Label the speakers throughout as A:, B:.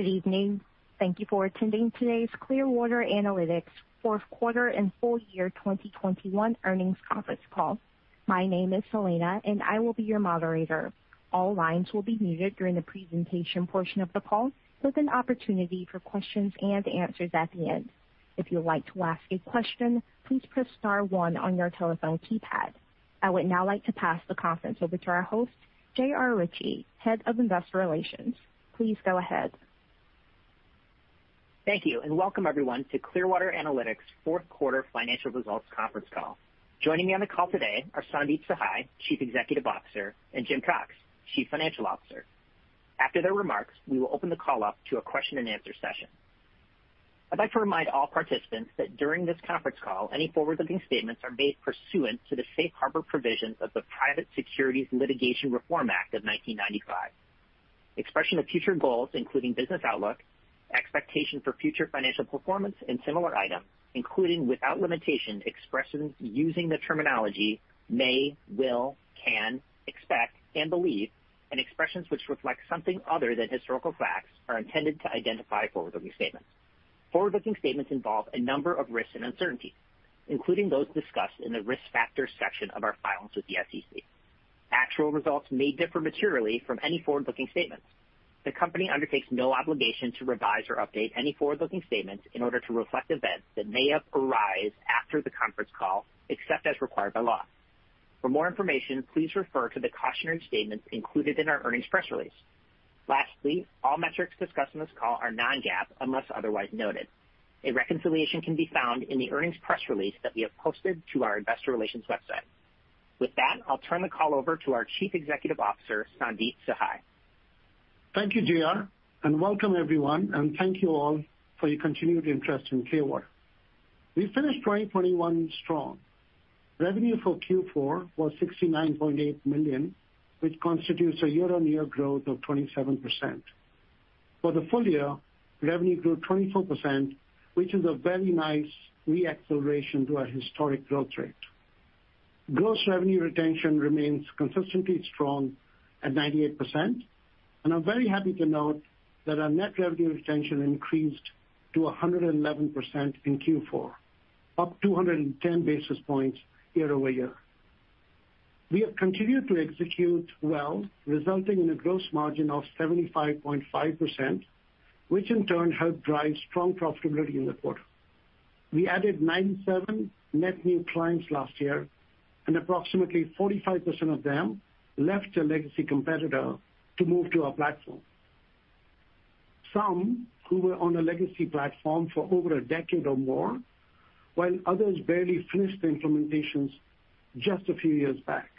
A: Good evening. Thank you for attending today's Clearwater Analytics fourth quarter and full year 2021 earnings conference call. My name is Selena, and I will be your moderator. All lines will be muted during the presentation portion of the call, with an opportunity for questions and answers at the end. If you'd like to ask a question, please press star one on your telephone keypad. I would now like to pass the conference over to our host, JR Ritchie, Head of Investor Relations. Please go ahead.
B: Thank you, and welcome everyone to Clearwater Analytics' fourth quarter financial results conference call. Joining me on the call today are Sandeep Sahai, Chief Executive Officer, and Jim Cox, Chief Financial Officer. After their remarks, we will open the call up to a question and answer session. I'd like to remind all participants that during this conference call, any forward-looking statements are made pursuant to the safe harbor provisions of the Private Securities Litigation Reform Act of 1995. Expression of future goals, including business outlook, expectation for future financial performance and similar items, including without limitation, expressions using the terminology may, will, can, expect and believe, and expressions which reflect something other than historical facts are intended to identify forward-looking statements. Forward-looking statements involve a number of risks and uncertainties, including those discussed in the Risk Factors section of our filings with the SEC. Actual results may differ materially from any forward-looking statements. The company undertakes no obligation to revise or update any forward-looking statements in order to reflect events that may arise after the conference call, except as required by law. For more information, please refer to the cautionary statements included in our earnings press release. Lastly, all metrics discussed on this call are non-GAAP, unless otherwise noted. A reconciliation can be found in the earnings press release that we have posted to our investor relations website. With that, I'll turn the call over to our Chief Executive Officer, Sandeep Sahai.
C: Thank you, JR, and welcome everyone, and thank you all for your continued interest in Clearwater. We finished 2021 strong. Revenue for Q4 was $69.8 million, which constitutes a year-on-year growth of 27%. For the full year, revenue grew 24%, which is a very nice re-acceleration to our historic growth rate. Gross revenue retention remains consistently strong at 98%, and I'm very happy to note that our net revenue retention increased to 111% in Q4, up 210 basis points year-over-year. We have continued to execute well, resulting in a gross margin of 75.5%, which in turn helped drive strong profitability in the quarter. We added 97 net new clients last year, and approximately 45% of them left a legacy competitor to move to our platform. Some who were on a legacy platform for over a decade or more, while others barely finished the implementations just a few years back.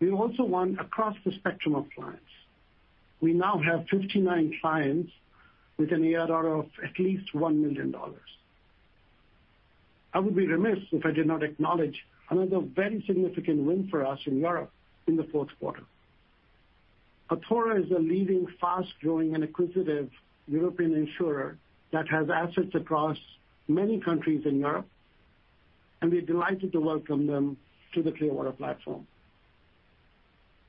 C: We also won across the spectrum of clients. We now have 59 clients with an ARR of at least $1 million. I would be remiss if I did not acknowledge another very significant win for us in Europe in the fourth quarter. Athora is a leading, fast-growing, and acquisitive European insurer that has assets across many countries in Europe, and we're delighted to welcome them to the Clearwater platform.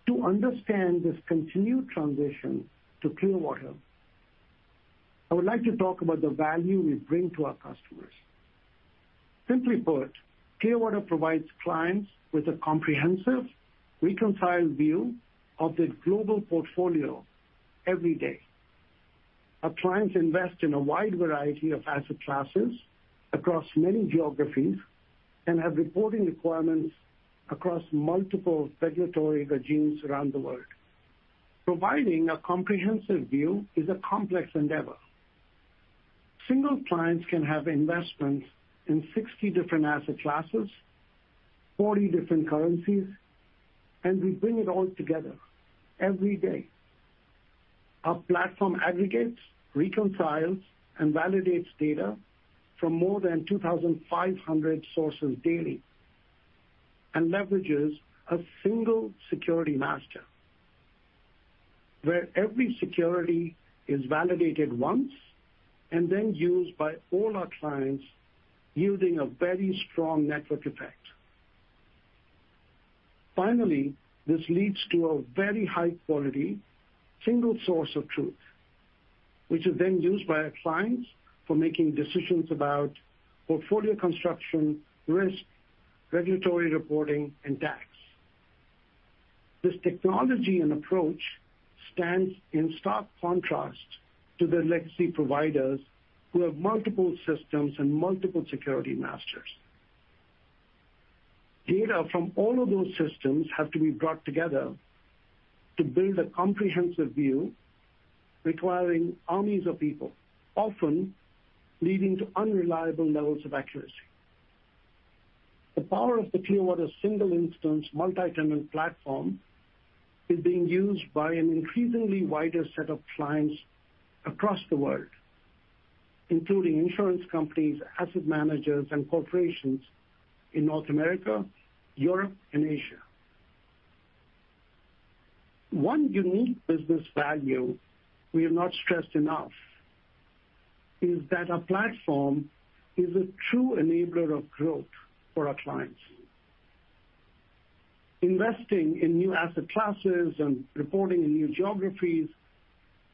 C: To understand this continued transition to Clearwater, I would like to talk about the value we bring to our customers. Simply put, Clearwater provides clients with a comprehensive, reconciled view of their global portfolio every day. Our clients invest in a wide variety of asset classes across many geographies and have reporting requirements across multiple regulatory regimes around the world. Providing a comprehensive view is a complex endeavor. Single clients can have investments in 60 different asset classes, 40 different currencies, and we bring it all together every day. Our platform aggregates, reconciles, and validates data from more than 2,500 sources daily and leverages a single security master, where every security is validated once and then used by all our clients, yielding a very strong network effect. Finally, this leads to a very high-quality single source of truth, which is then used by our clients for making decisions about portfolio construction, risk, regulatory reporting, and tax. This technology and approach stands in stark contrast to the legacy providers who have multiple systems and multiple security masters. Data from all of those systems have to be brought together to build a comprehensive view requiring armies of people, often leading to unreliable levels of accuracy. The power of the Clearwater single instance multi-tenant platform is being used by an increasingly wider set of clients across the world, including insurance companies, asset managers, and corporations in North America, Europe, and Asia. One unique business value we have not stressed enough is that our platform is a true enabler of growth for our clients. Investing in new asset classes and reporting in new geographies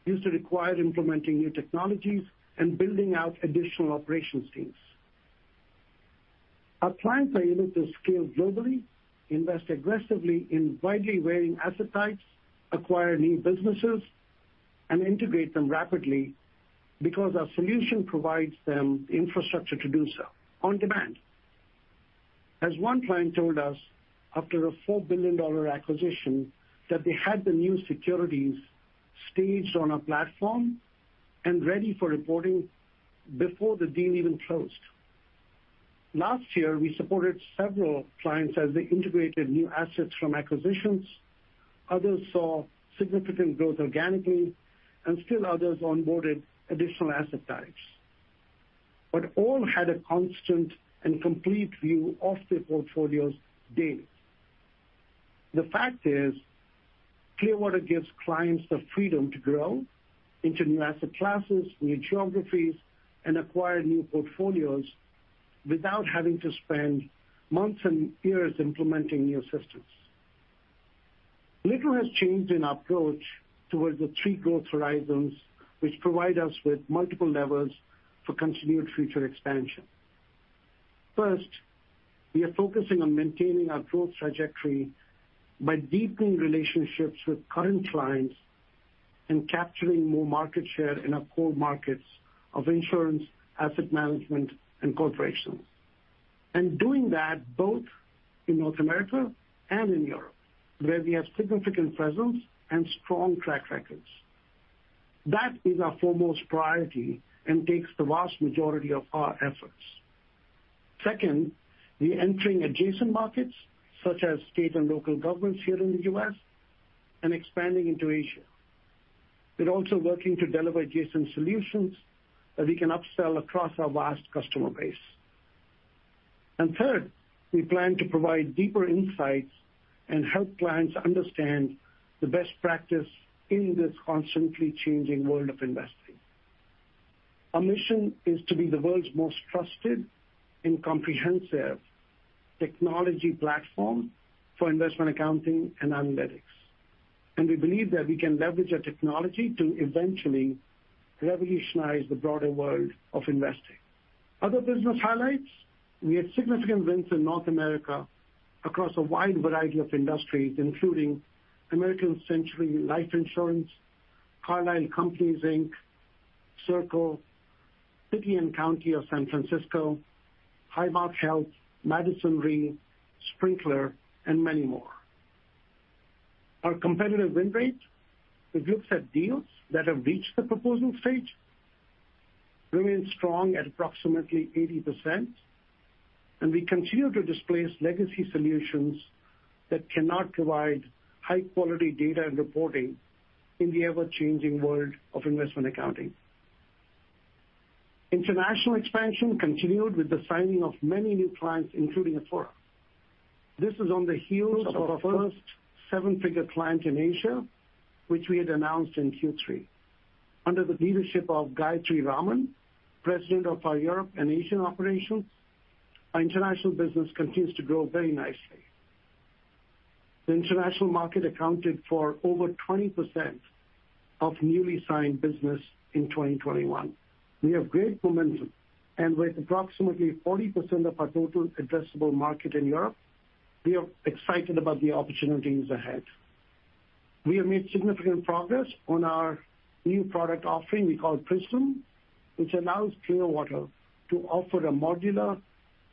C: used to require implementing new technologies and building out additional operations teams. Our clients are able to scale globally, invest aggressively in widely varying asset types, acquire new businesses, and integrate them rapidly, because our solution provides them the infrastructure to do so on demand. As one client told us after a $4 billion acquisition, that they had the new securities staged on our platform and ready for reporting before the deal even closed. Last year, we supported several clients as they integrated new assets from acquisitions. Others saw significant growth organically, and still others onboarded additional asset types. All had a constant and complete view of their portfolios daily. The fact is, Clearwater gives clients the freedom to grow into new asset classes, new geographies, and acquire new portfolios without having to spend months and years implementing new systems. Little has changed in our approach towards the three growth horizons, which provide us with multiple levers for continued future expansion. First, we are focusing on maintaining our growth trajectory by deepening relationships with current clients and capturing more market share in our core markets of insurance, asset management, and corporations. Doing that both in North America and in Europe, where we have significant presence and strong track records. That is our foremost priority and takes the vast majority of our efforts. Second, we're entering adjacent markets, such as state and local governments here in the U.S., and expanding into Asia. We're also working to deliver adjacent solutions that we can upsell across our vast customer base. Third, we plan to provide deeper insights and help clients understand the best practice in this constantly changing world of investing. Our mission is to be the world's most trusted and comprehensive technology platform for investment accounting and analytics. We believe that we can leverage our technology to eventually revolutionize the broader world of investing. Other business highlights, we had significant wins in North America across a wide variety of industries, including American Century Life Insurance, Carlisle Companies Incorporated, Circle, City and County of San Francisco, Highmark Health, Madison Re, Sprinklr, and many more. Our competitive win rate on deals that have reached the proposal stage remains strong at approximately 80%, and we continue to displace legacy solutions that cannot provide high-quality data and reporting in the ever-changing world of investment accounting. International expansion continued with the signing of many new clients, including Athora. This is on the heels of our first seven-figure client in Asia, which we had announced in Q3. Under the leadership of Gayatri Raman, President of our Europe and Asia operations, our international business continues to grow very nicely. The international market accounted for over 20% of newly signed business in 2021. We have great momentum, and with approximately 40% of our total addressable market in Europe, we are excited about the opportunities ahead. We have made significant progress on our new product offering we call Prism, which allows Clearwater to offer a modular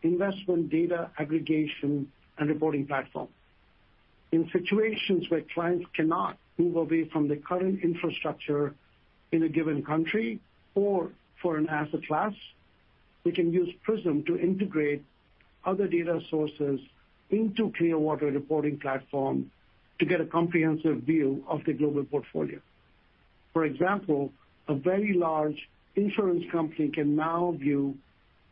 C: investment data aggregation and reporting platform. In situations where clients cannot move away from the current infrastructure in a given country or for an asset class, we can use Prism to integrate other data sources into Clearwater reporting platform to get a comprehensive view of the global portfolio. For example, a very large insurance company can now view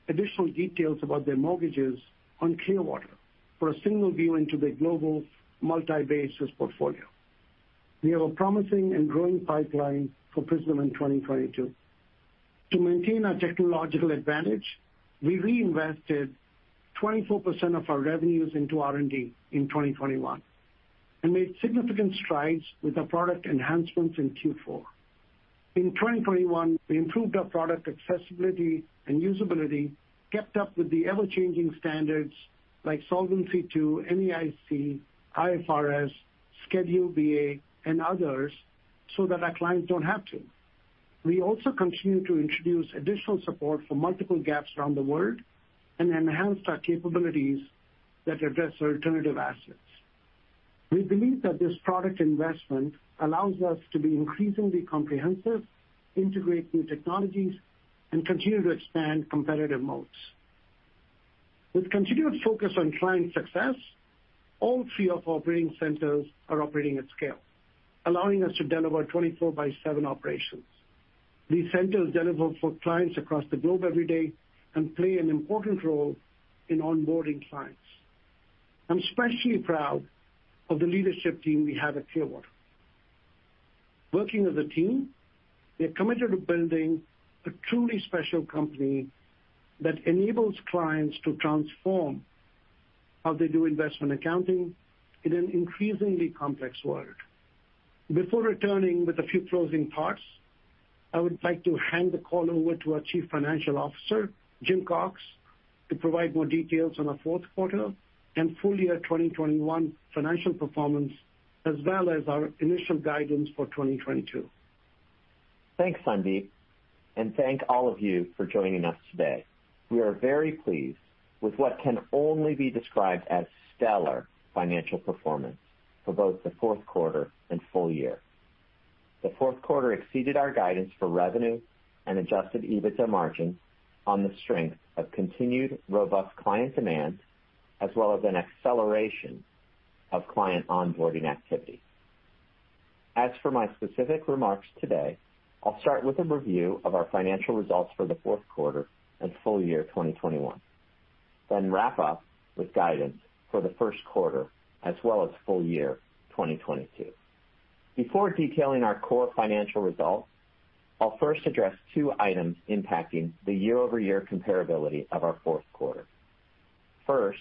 C: additional details about their mortgages on Clearwater for a single view into their global multi-basis portfolio. We have a promising and growing pipeline for Prism in 2022. To maintain our technological advantage, we reinvested 24% of our revenues into R&D in 2021, and made significant strides with our product enhancements in Q4. In 2021, we improved our product accessibility and usability, kept up with the ever-changing standards like Solvency II, NAIC, IFRS, Schedule BA, and others, so that our clients don't have to. We also continue to introduce additional support for multiple GAAPs around the world and enhanced our capabilities that address our alternative assets. We believe that this product investment allows us to be increasingly comprehensive, integrate new technologies, and continue to expand competitive moats. With continued focus on client success, all three of our operating centers are operating at scale, allowing us to deliver 24/7 operations. These centers deliver for clients across the globe every day and play an important role in onboarding clients. I'm especially proud of the leadership team we have at Clearwater. Working as a team, we are committed to building a truly special company that enables clients to transform how they do investment accounting in an increasingly complex world. Before returning with a few closing thoughts, I would like to hand the call over to our Chief Financial Officer, Jim Cox, to provide more details on our fourth quarter and full year 2021 financial performance, as well as our initial guidance for 2022.
D: Thanks, Sandeep, and thank all of you for joining us today. We are very pleased with what can only be described as stellar financial performance for both the fourth quarter and full year. The fourth quarter exceeded our guidance for revenue and adjusted EBITDA margins on the strength of continued robust client demand, as well as an acceleration of client onboarding activity. As for my specific remarks today, I'll start with a review of our financial results for the fourth quarter and full year 2021, then wrap up with guidance for the first quarter as well as full year 2022. Before detailing our core financial results, I'll first address two items impacting the year-over-year comparability of our fourth quarter. First,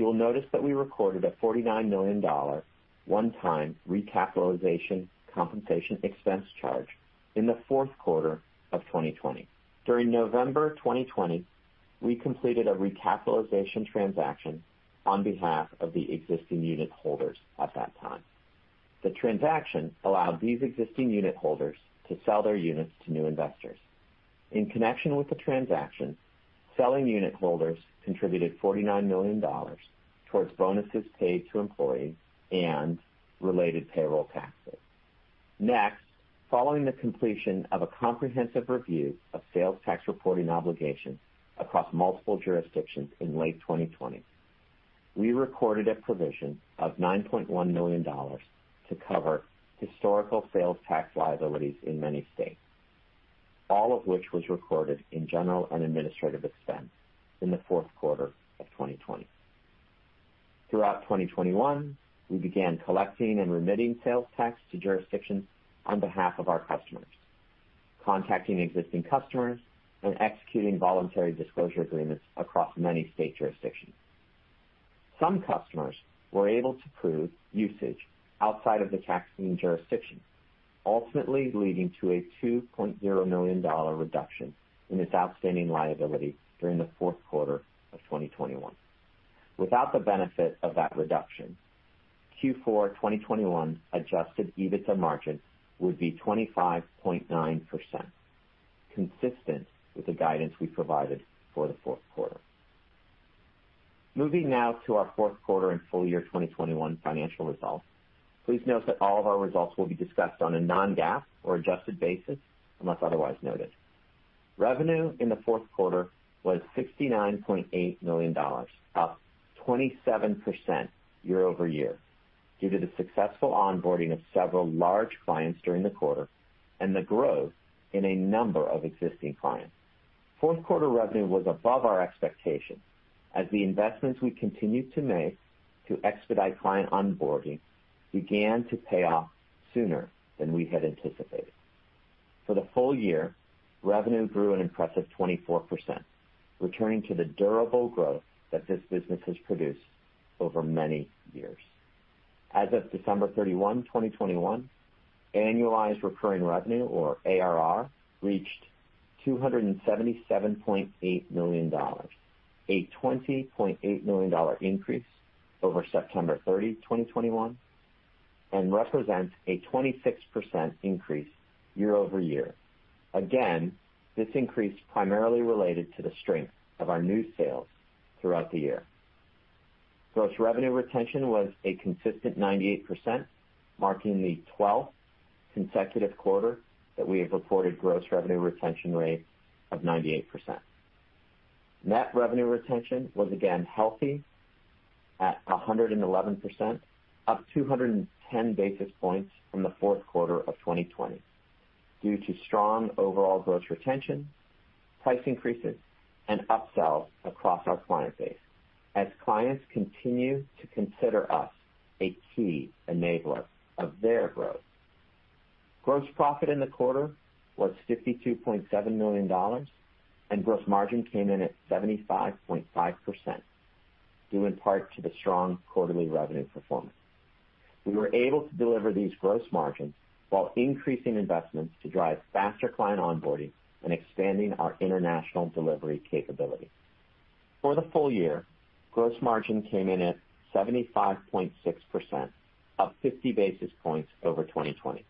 D: you'll notice that we recorded a $49 million one-time recapitalization compensation expense charge in the fourth quarter of 2020. During November 2020, we completed a recapitalization transaction on behalf of the existing unit holders at that time. The transaction allowed these existing unit holders to sell their units to new investors. In connection with the transaction, selling unit holders contributed $49 million towards bonuses paid to employees and related payroll taxes. Next, following the completion of a comprehensive review of sales tax reporting obligations across multiple jurisdictions in late 2020, we recorded a provision of $9.1 million to cover historical sales tax liabilities in many states, all of which was recorded in general and administrative expense in the fourth quarter of 2020. Throughout 2021, we began collecting and remitting sales tax to jurisdictions on behalf of our customers, contacting existing customers, and executing voluntary disclosure agreements across many state jurisdictions. Some customers were able to prove usage outside of the taxing jurisdiction, ultimately leading to a $2.0 million reduction in its outstanding liability during the fourth quarter of 2021. Without the benefit of that reduction, Q4 2021 adjusted EBITDA margin would be 25.9%, consistent with the guidance we provided for the fourth quarter. Moving now to our fourth quarter and full year 2021 financial results. Please note that all of our results will be discussed on a non-GAAP or adjusted basis unless otherwise noted. Revenue in the fourth quarter was $69.8 million, up 27% year-over-year due to the successful onboarding of several large clients during the quarter and the growth in a number of existing clients. Fourth quarter revenue was above our expectations as the investments we continued to make to expedite client onboarding began to pay off sooner than we had anticipated. For the full year, revenue grew an impressive 24%, returning to the durable growth that this business has produced over many years. As of December 31, 2021, annualized recurring revenue or ARR reached $277.8 million, a $20.8 million increase over September 30, 2021, and represents a 26% increase year-over-year. This increase primarily related to the strength of our new sales throughout the year. Gross revenue retention was a consistent 98%, marking the 12th consecutive quarter that we have reported gross revenue retention rate of 98%. Net revenue retention was again healthy at 111%, up 210 basis points from the fourth quarter of 2020 due to strong overall gross retention, price increases, and upsells across our client base as clients continue to consider us a key enabler of their growth. Gross profit in the quarter was $52.7 million, and gross margin came in at 75.5%, due in part to the strong quarterly revenue performance. We were able to deliver these gross margins while increasing investments to drive faster client onboarding and expanding our international delivery capability. For the full year, gross margin came in at 75.6%, up 50 basis points over 2020.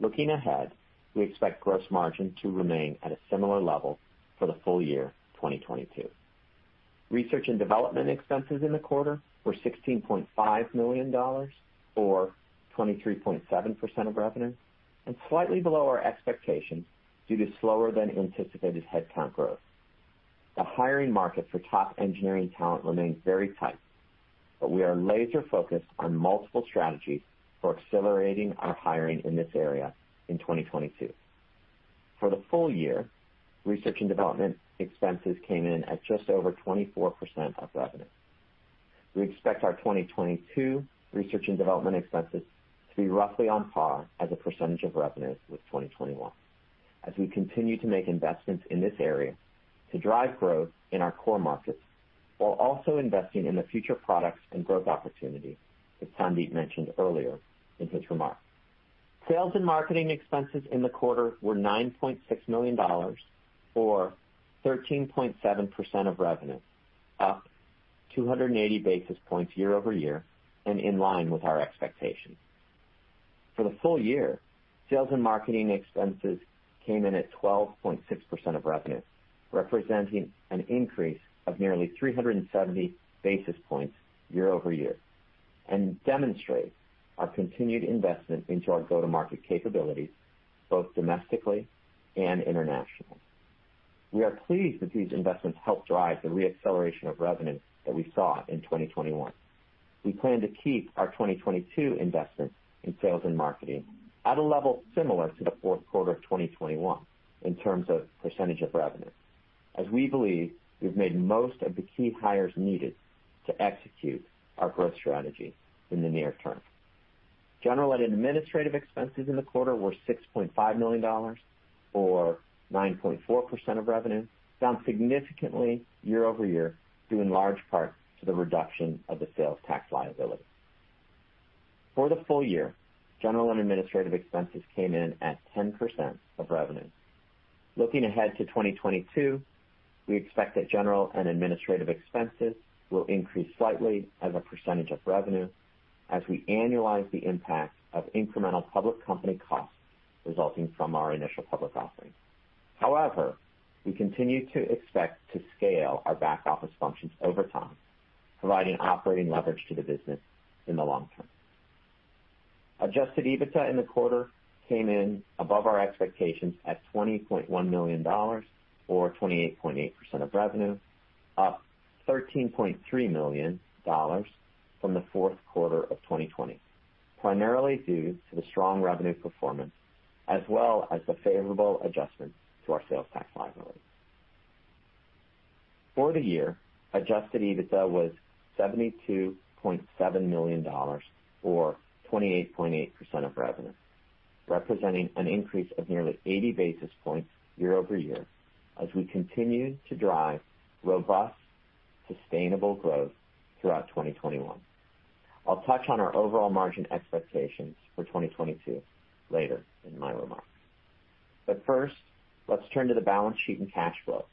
D: Looking ahead, we expect gross margin to remain at a similar level for the full year 2022. Research and development expenses in the quarter were $16.5 million or 23.7% of revenue, and slightly below our expectations due to slower than anticipated headcount growth. The hiring market for top engineering talent remains very tight, but we are laser focused on multiple strategies for accelerating our hiring in this area in 2022. For the full year, research and development expenses came in at just over 24% of revenue. We expect our 2022 research and development expenses to be roughly on par as a percentage of revenues with 2021 as we continue to make investments in this area to drive growth in our core markets while also investing in the future products and growth opportunities that Sandeep mentioned earlier in his remarks. Sales and marketing expenses in the quarter were $9.6 million, or 13.7% of revenue, up 280 basis points year-over-year and in line with our expectations. For the full year, sales and marketing expenses came in at 12.6% of revenue, representing an increase of nearly 370 basis points year-over-year, and demonstrates our continued investment into our go-to-market capabilities, both domestically and internationally. We are pleased that these investments helped drive the re-acceleration of revenue that we saw in 2021. We plan to keep our 2022 investments in sales and marketing at a level similar to the fourth quarter of 2021 in terms of percentage of revenue, as we believe we've made most of the key hires needed to execute our growth strategy in the near term. General and administrative expenses in the quarter were $6.5 million, or 9.4% of revenue, down significantly year-over-year, due in large part to the reduction of the sales tax liability. For the full year, general and administrative expenses came in at 10% of revenue. Looking ahead to 2022, we expect that general and administrative expenses will increase slightly as a percentage of revenue as we annualize the impact of incremental public company costs resulting from our initial public offering. However, we continue to expect to scale our back-office functions over time, providing operating leverage to the business in the long term. Adjusted EBITDA in the quarter came in above our expectations at $20.1 million or 28.8% of revenue, up $13.3 million from the fourth quarter of 2020, primarily due to the strong revenue performance as well as the favorable adjustments to our sales tax liability. For the year, adjusted EBITDA was $72.7 million or 28.8% of revenue, representing an increase of nearly 80 basis points year-over-year as we continue to drive robust, sustainable growth throughout 2021. I'll touch on our overall margin expectations for 2022 later in my remarks. First, let's turn to the balance sheet and cash flow.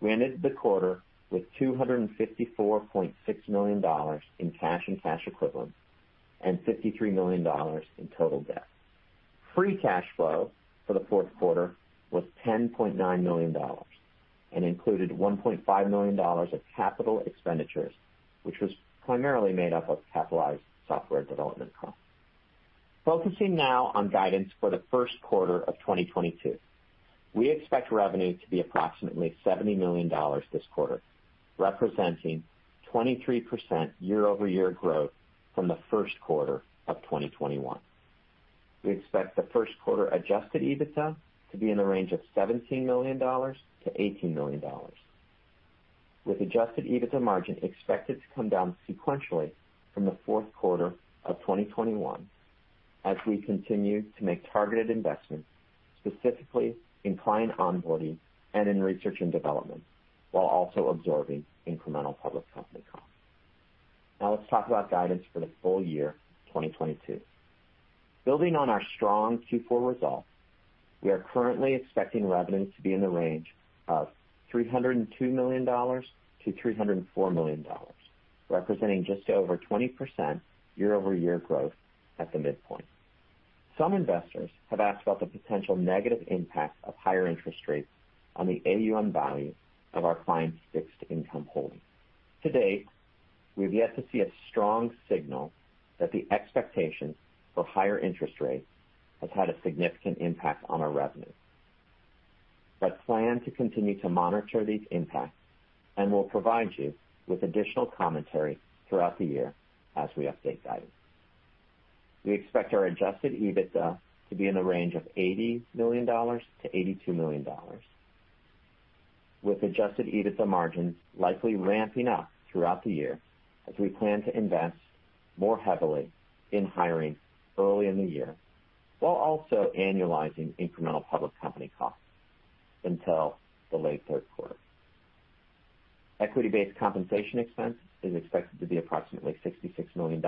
D: We ended the quarter with $254.6 million in cash and cash equivalents and $53 million in total debt. Free cash flow for the fourth quarter was $10.9 million and included $1.5 million of capital expenditures, which was primarily made up of capitalized software development costs. Focusing now on guidance for the first quarter of 2022. We expect revenue to be approximately $70 million this quarter, representing 23% year-over-year growth from the first quarter of 2021. We expect the first quarter adjusted EBITDA to be in the range of $17 million-$18 million, with adjusted EBITDA margin expected to come down sequentially from the fourth quarter of 2021 as we continue to make targeted investments, specifically in client onboarding and in research and development, while also absorbing incremental public company costs. Now let's talk about guidance for the full year 2022. Building on our strong Q4 results, we are currently expecting revenue to be in the range of $302 million-$304 million, representing just over 20% year-over-year growth at the midpoint. Some investors have asked about the potential negative impact of higher interest rates on the AUM value of our clients' fixed income holdings. To date, we have yet to see a strong signal that the expectation for higher interest rates has had a significant impact on our revenues. We plan to continue to monitor these impacts, and we'll provide you with additional commentary throughout the year as we update guidance. We expect our adjusted EBITDA to be in the range of $80 million-$82 million, with adjusted EBITDA margins likely ramping up throughout the year as we plan to invest more heavily in hiring early in the year while also annualizing incremental public company costs until the late third quarter. Equity-based compensation expense is expected to be approximately $66 million.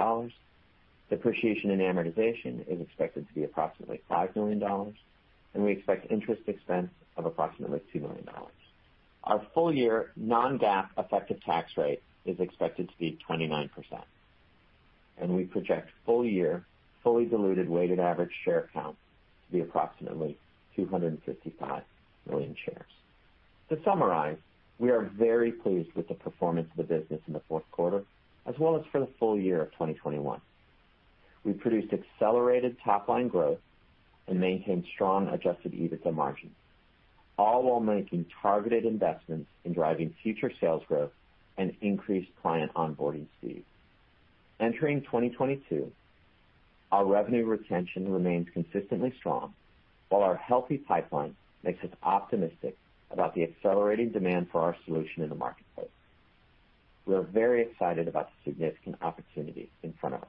D: Depreciation and amortization is expected to be approximately $5 million, and we expect interest expense of approximately $2 million. Our full year non-GAAP effective tax rate is expected to be 29%, and we project full year fully diluted weighted average share count to be approximately 255 million shares. To summarize, we are very pleased with the performance of the business in the fourth quarter as well as for the full year of 2021. We produced accelerated top line growth and maintained strong adjusted EBITDA margins, all while making targeted investments in driving future sales growth and increased client onboarding speed. Entering 2022, our revenue retention remains consistently strong, while our healthy pipeline makes us optimistic about the accelerating demand for our solution in the marketplace. We are very excited about the significant opportunities in front of us.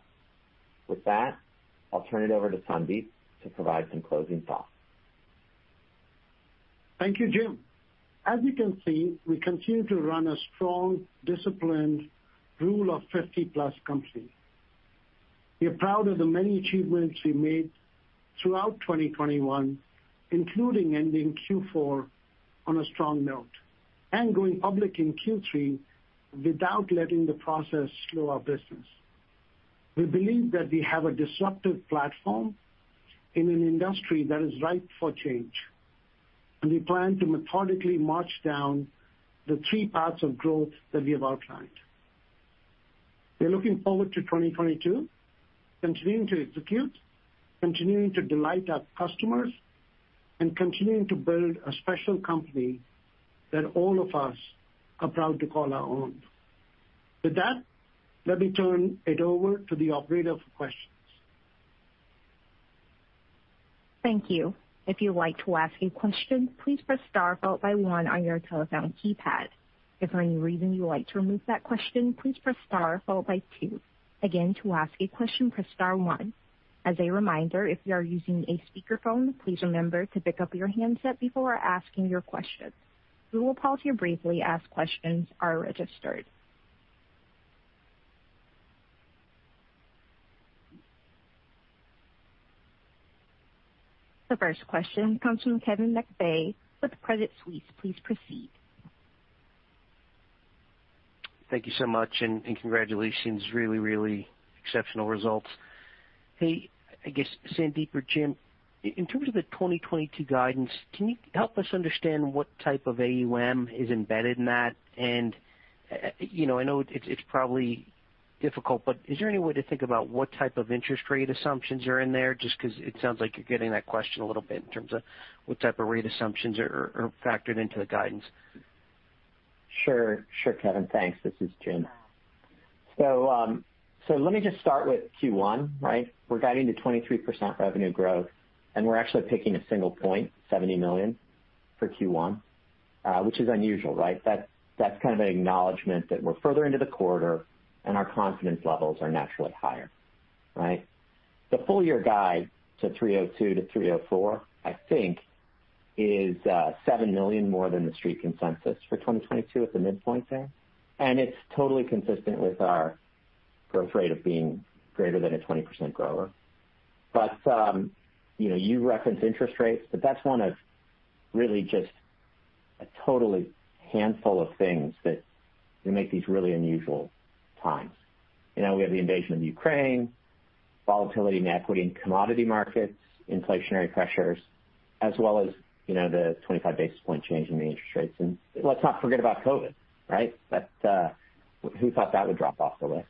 D: With that, I'll turn it over to Sandeep to provide some closing thoughts.
C: Thank you, Jim. As you can see, we continue to run a strong, disciplined rule of fifty-plus company. We are proud of the many achievements we made throughout 2021, including ending Q4 on a strong note and going public in Q3 without letting the process slow our business. We believe that we have a disruptive platform in an industry that is ripe for change, and we plan to methodically march down the three paths of growth that we have outlined. We're looking forward to 2022, continuing to execute, continuing to delight our customers, and continuing to build a special company that all of us are proud to call our own. With that, let me turn it over to the operator for questions.
A: Thank you. If you'd like to ask a question, please press Star followed by one on your telephone keypad. If for any reason you would like to remove that question, please press Star followed by two. Again, to ask a question, press Star one. As a reminder, if you are using a speakerphone, please remember to pick up your handset before asking your question. We will pause here briefly as questions are registered. The first question comes from Kevin McVeigh with Credit Suisse. Please proceed.
E: Thank you so much and congratulations. Really exceptional results. Hey, I guess, Sandeep or Jim, in terms of the 2022 guidance, can you help us understand what type of AUM is embedded in that? You know, I know it's probably difficult, but is there any way to think about what type of interest rate assumptions are in there? Just 'cause it sounds like you're getting that question a little bit in terms of what type of rate assumptions are factored into the guidance.
D: Sure, Kevin. Thanks. This is Jim. Let me just start with Q1, right? We're guiding to 23% revenue growth, and we're actually picking a single point, $70 million for Q1, which is unusual, right? That's kind of an acknowledgment that we're further into the quarter and our confidence levels are naturally higher, right? The full year guide to $302 million-$304 million, I think, is $7 million more than the street consensus for 2022 at the midpoint there. It's totally consistent with our growth rate of being greater than a 20% grower. You know, you referenced interest rates, but that's one of really just a total handful of things that make these really unusual times. You know, we have the invasion of Ukraine, volatility in equity and commodity markets, inflationary pressures, as well as, you know, the 25 basis point change in the interest rates. Let's not forget about COVID, right? That, who thought that would drop off the list?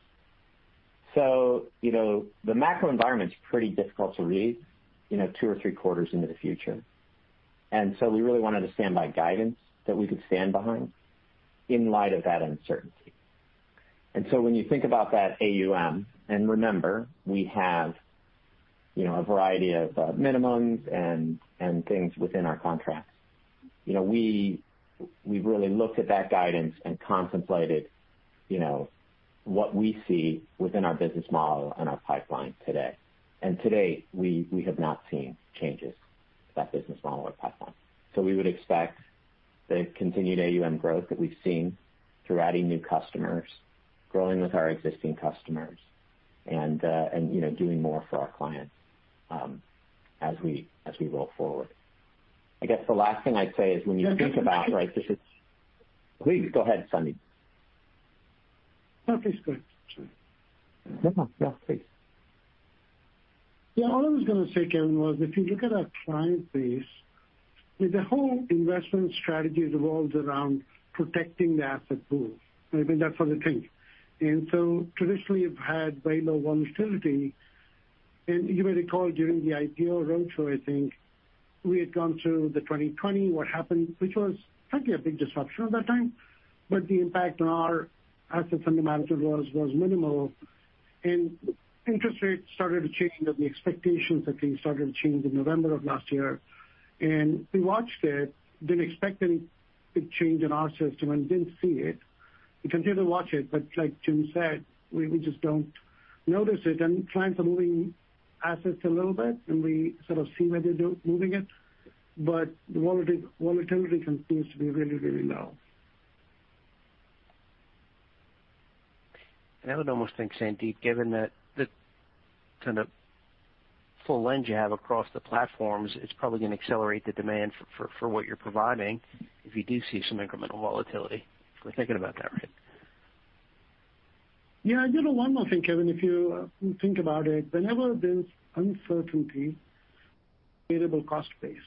D: You know, the macro environment's pretty difficult to read, you know, two or three quarters into the future. We really wanted to stand by guidance that we could stand behind in light of that uncertainty. When you think about that AUM, and remember, we have, you know, a variety of minimums and things within our contracts. You know, we really looked at that guidance and contemplated, you know, what we see within our business model and our pipeline today. To date, we have not seen changes to that business model or pipeline. We would expect the continued AUM growth that we've seen through adding new customers, growing with our existing customers, and you know, doing more for our clients, as we roll forward. I guess the last thing I'd say is when you think about, right, this is. Please go ahead, Sandeep.
C: No, please go ahead, Jim.
D: No, no. Yeah, please.
C: Yeah, all I was gonna say, Kevin, was if you look at our client base, I mean, the whole investment strategy revolves around protecting the asset pool. I mean, that's what they think. Traditionally, you've had very low volatility. You may recall during the IPO roadshow, I think, we had gone through the 2020, what happened, which was frankly a big disruption at that time, but the impact on our asset fundamentals was minimal. Interest rates started to change, and the expectations, I think, started to change in November of last year. We watched it, didn't expect any big change in our system and didn't see it. We continue to watch it, but like Jim said, we just don't notice it. Clients are moving assets a little bit, and we sort of see where they're moving it, but the volatility continues to be really, really low.
E: I would almost think, Sandeep, given the kind of full lens you have across the platforms, it's probably gonna accelerate the demand for what you're providing if you do see some incremental volatility. Am I thinking about that right?
C: Yeah. You know, one more thing, Kevin, if you think about it, whenever there's uncertainty, variable cost base,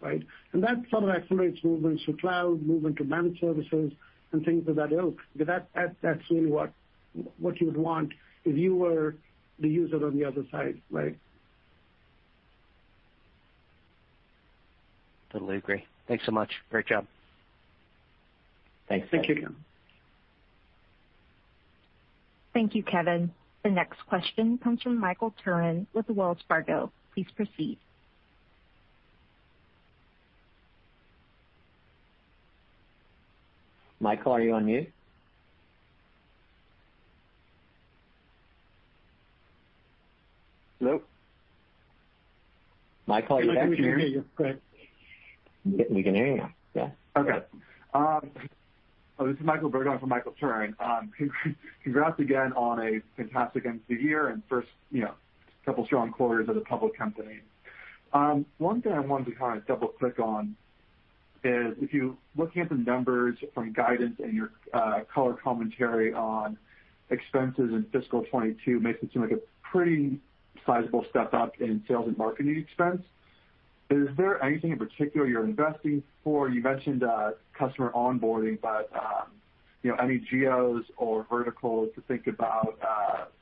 C: right? That sort of accelerates movement to cloud, movement to managed services and things of that ilk, because that's really what you would want if you were the user on the other side, right?
E: Totally agree. Thanks so much. Great job.
D: Thanks.
C: Thank you.
A: Thank you, Kevin. The next question comes from Michael Turrin with Wells Fargo. Please proceed.
D: Michael, are you on mute?
F: Hello?
D: Michael, are you there?
A: We can hear you. Go ahead.
D: We can hear you now. Yeah.
F: Okay. This is Michael Burnell from Michael Turrin. Congrats again on a fantastic end to the year and first, you know, couple strong quarters as a public company. One thing I wanted to kind of double-click on is looking at the numbers from guidance and your color commentary on expenses in fiscal 2022 makes it seem like a pretty sizable step-up in sales and marketing expense. Is there anything in particular you're investing for? You mentioned customer onboarding, but you know, any geos or verticals to think about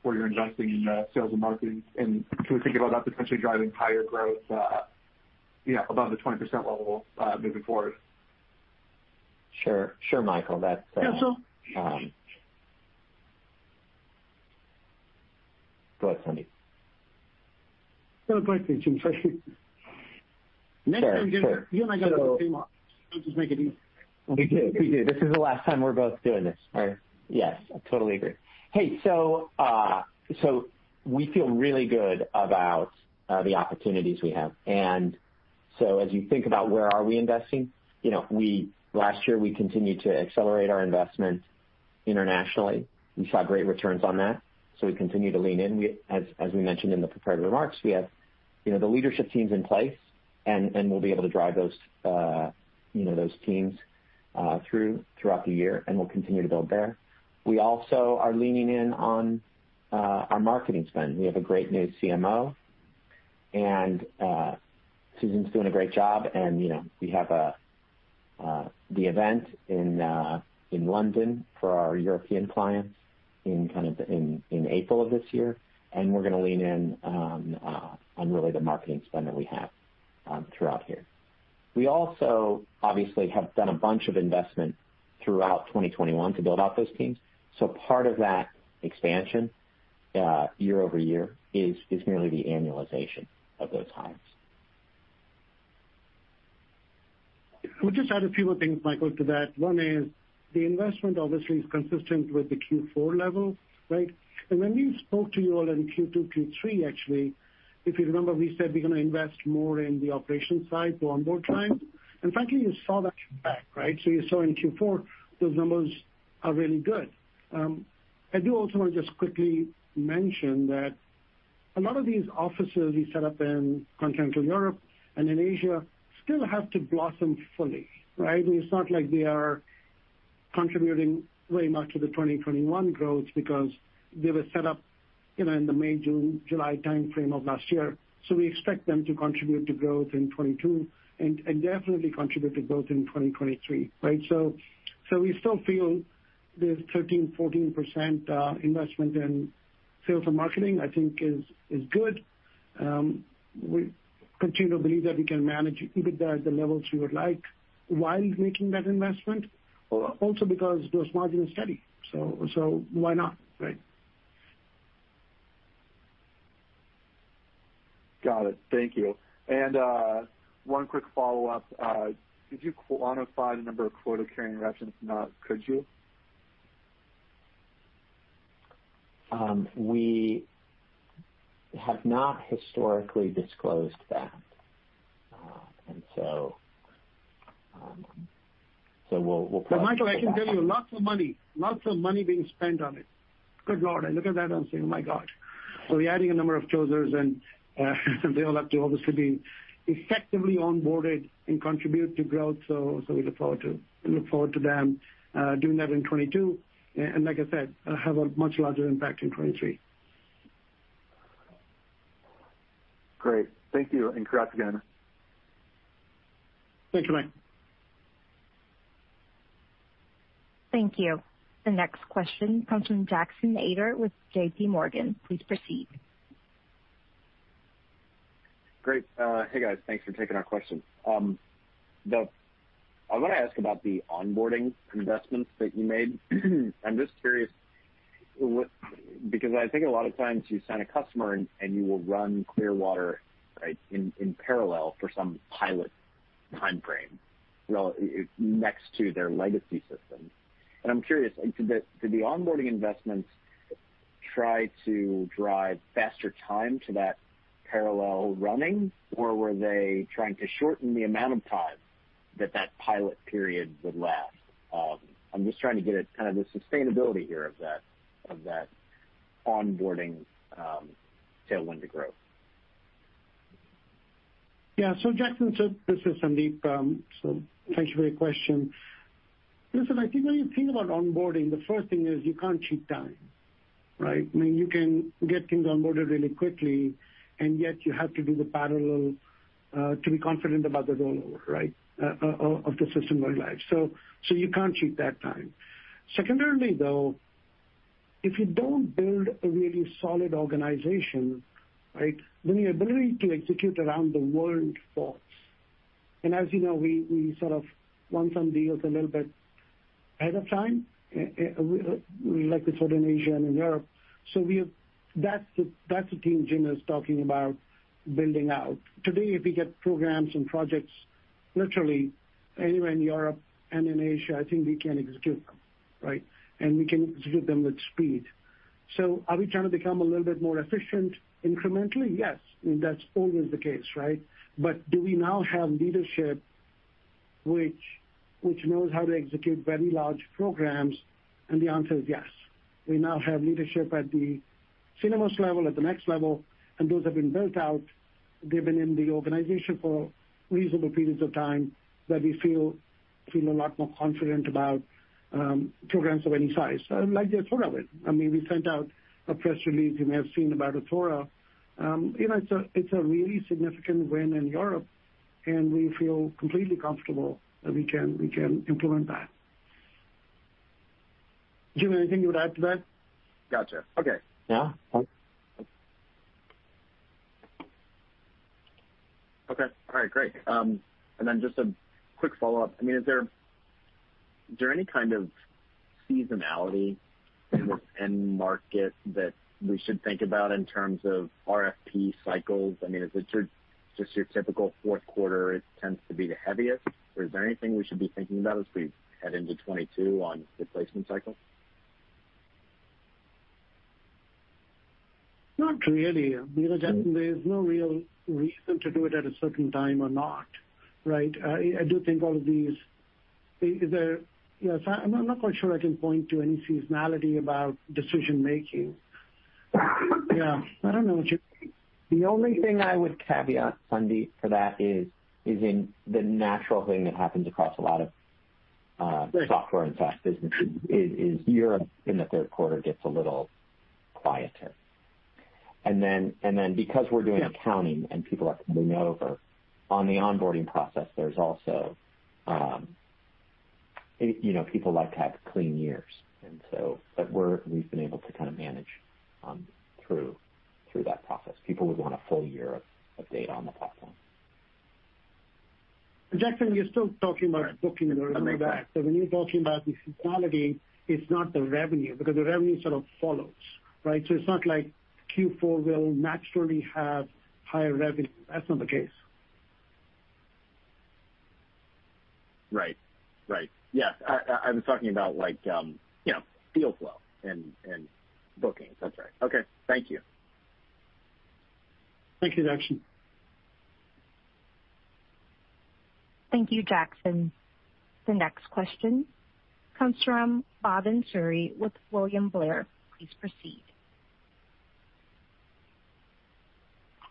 F: where you're investing in sales and marketing. Can we think about that potentially driving higher growth you know, above the 20% level moving forward?
D: Sure, Michael, that's
C: Yeah.
D: Go ahead, Sandeep.
C: Go ahead.
D: Sure, sure.
C: You and I got to team up. It'll just make it easy.
D: We do. This is the last time we're both doing this, right? Yes, I totally agree. Hey, so we feel really good about the opportunities we have. As you think about where are we investing, you know, last year, we continued to accelerate our investment internationally. We saw great returns on that, so we continue to lean in. As we mentioned in the prepared remarks, we have, you know, the leadership teams in place, and we'll be able to drive those, you know, those teams, throughout the year, and we'll continue to build there. We also are leaning in on our marketing spend. We have a great new CMO, and Susan's doing a great job. You know, we have the event in London for our European clients in April of this year. We're gonna lean in on really the marketing spend that we have throughout here. We also obviously have done a bunch of investment throughout 2021 to build out those teams. Part of that expansion year-over-year is merely the annualization of those hires.
C: I would just add a few more things, Michael, to that. One is the investment obviously is consistent with the Q4 level, right? When we spoke to you all in Q2, Q3, actually, if you remember, we said we're gonna invest more in the operations side to onboard clients. Frankly, you saw that back, right? You saw in Q4 those numbers are really good. I do also want to just quickly mention that a lot of these offices we set up in Continental Europe and in Asia still have to blossom fully, right? I mean, it's not like they are contributing very much to the 2021 growth because they were set up, you know, in the May/June/July timeframe of last year. We expect them to contribute to growth in 2022 and definitely contribute to growth in 2023, right? We still feel this 13%-14% investment in sales and marketing, I think, is good. We continue to believe that we can manage EBITDA at the levels you would like while making that investment, also because those margins are steady. Why not, right?
F: Got it. Thank you. One quick follow-up. Did you quantify the number of quota-carrying reps? If not, could you?
D: We have not historically disclosed that. We'll probably
C: Michael, I can tell you lots of money being spent on it. Good Lord, I look at that and say, "Oh, my God." We're adding a number of closers, and they all have to obviously be effectively onboarded and contribute to growth. We look forward to them doing that in 2022. Like I said, have a much larger impact in 2023.
F: Great. Thank you, and congrats again.
C: Thanks, Mike.
A: Thank you. The next question comes from Jackson Ader with JPMorgan. Please proceed.
G: Great. Hey, guys. Thanks for taking our question. I wanna ask about the onboarding investments that you made. I'm just curious. Because I think a lot of times you sign a customer and you will run Clearwater, right, in parallel for some pilot timeframe next to their legacy systems. I'm curious, do the onboarding investments try to drive faster time to that parallel running, or were they trying to shorten the amount of time that that pilot period would last? I'm just trying to get a kind of the sustainability here of that onboarding tailwind to growth.
C: Yeah, Jackson, this is Sandeep. Thank you for your question. Listen, I think when you think about onboarding, the first thing is you can't cheat time, right? I mean, you can get things onboarded really quickly, and yet you have to do the parallel to be confident about the rollover, right, of the system going live. You can't cheat that time. Secondarily, though, if you don't build a really solid organization, right, then the ability to execute around the world falls. As you know, we sort of won some deals a little bit ahead of time, like we saw in Asia and in Europe. That's the team Jim is talking about building out. Today, if we get programs and projects literally anywhere in Europe and in Asia, I think we can execute them, right? We can execute them with speed. Are we trying to become a little bit more efficient incrementally? Yes. That's always the case, right? Do we now have leadership which knows how to execute very large programs? The answer is yes. We now have leadership at the senior level, at the next level, and those have been built out. They've been in the organization for reasonable periods of time that we feel a lot more confident about, programs of any size, like the Athora win. I mean, we sent out a press release, you may have seen about Athora. You know, it's a really significant win in Europe, and we feel completely comfortable that we can implement that. Jim, anything you would add to that?
G: Gotcha. Okay.
C: Yeah.
G: Okay. All right. Great. Just a quick follow-up. I mean, is there any kind of seasonality in this end market that we should think about in terms of RFP cycles? I mean, is it just your typical fourth quarter tends to be the heaviest, or is there anything we should be thinking about as we head into 2022 on the placement cycle?
C: Not really. You know, Jackson, there's no real reason to do it at a certain time or not, right? I do think all of these. You know, so I'm not quite sure I can point to any seasonality about decision-making. Yeah. I don't know what you think. The only thing I would caveat,
D: Sandeep, for that is in the natural thing that happens across a lot of
C: Right.
D: Software and SaaS businesses, is Europe in the third quarter gets a little quieter. Because we're doing accounting and people are coming over, on the onboarding process, there's also, you know, people like to have clean years. We've been able to kind of manage through that process. People would want a full year of data on the platform.
C: Jackson, you're still talking about booking.
G: Right. I'm sorry about that.
C: When you're talking about the seasonality, it's not the revenue, because the revenue sort of follows, right? It's not like Q4 will naturally have higher revenue. That's not the case.
G: Right. Yeah. I was talking about like, you know, deal flow and bookings. That's right. Okay. Thank you.
C: Thank you, Jackson.
A: Thank you, Jackson. The next question comes from Bhavan Suri with William Blair. Please proceed.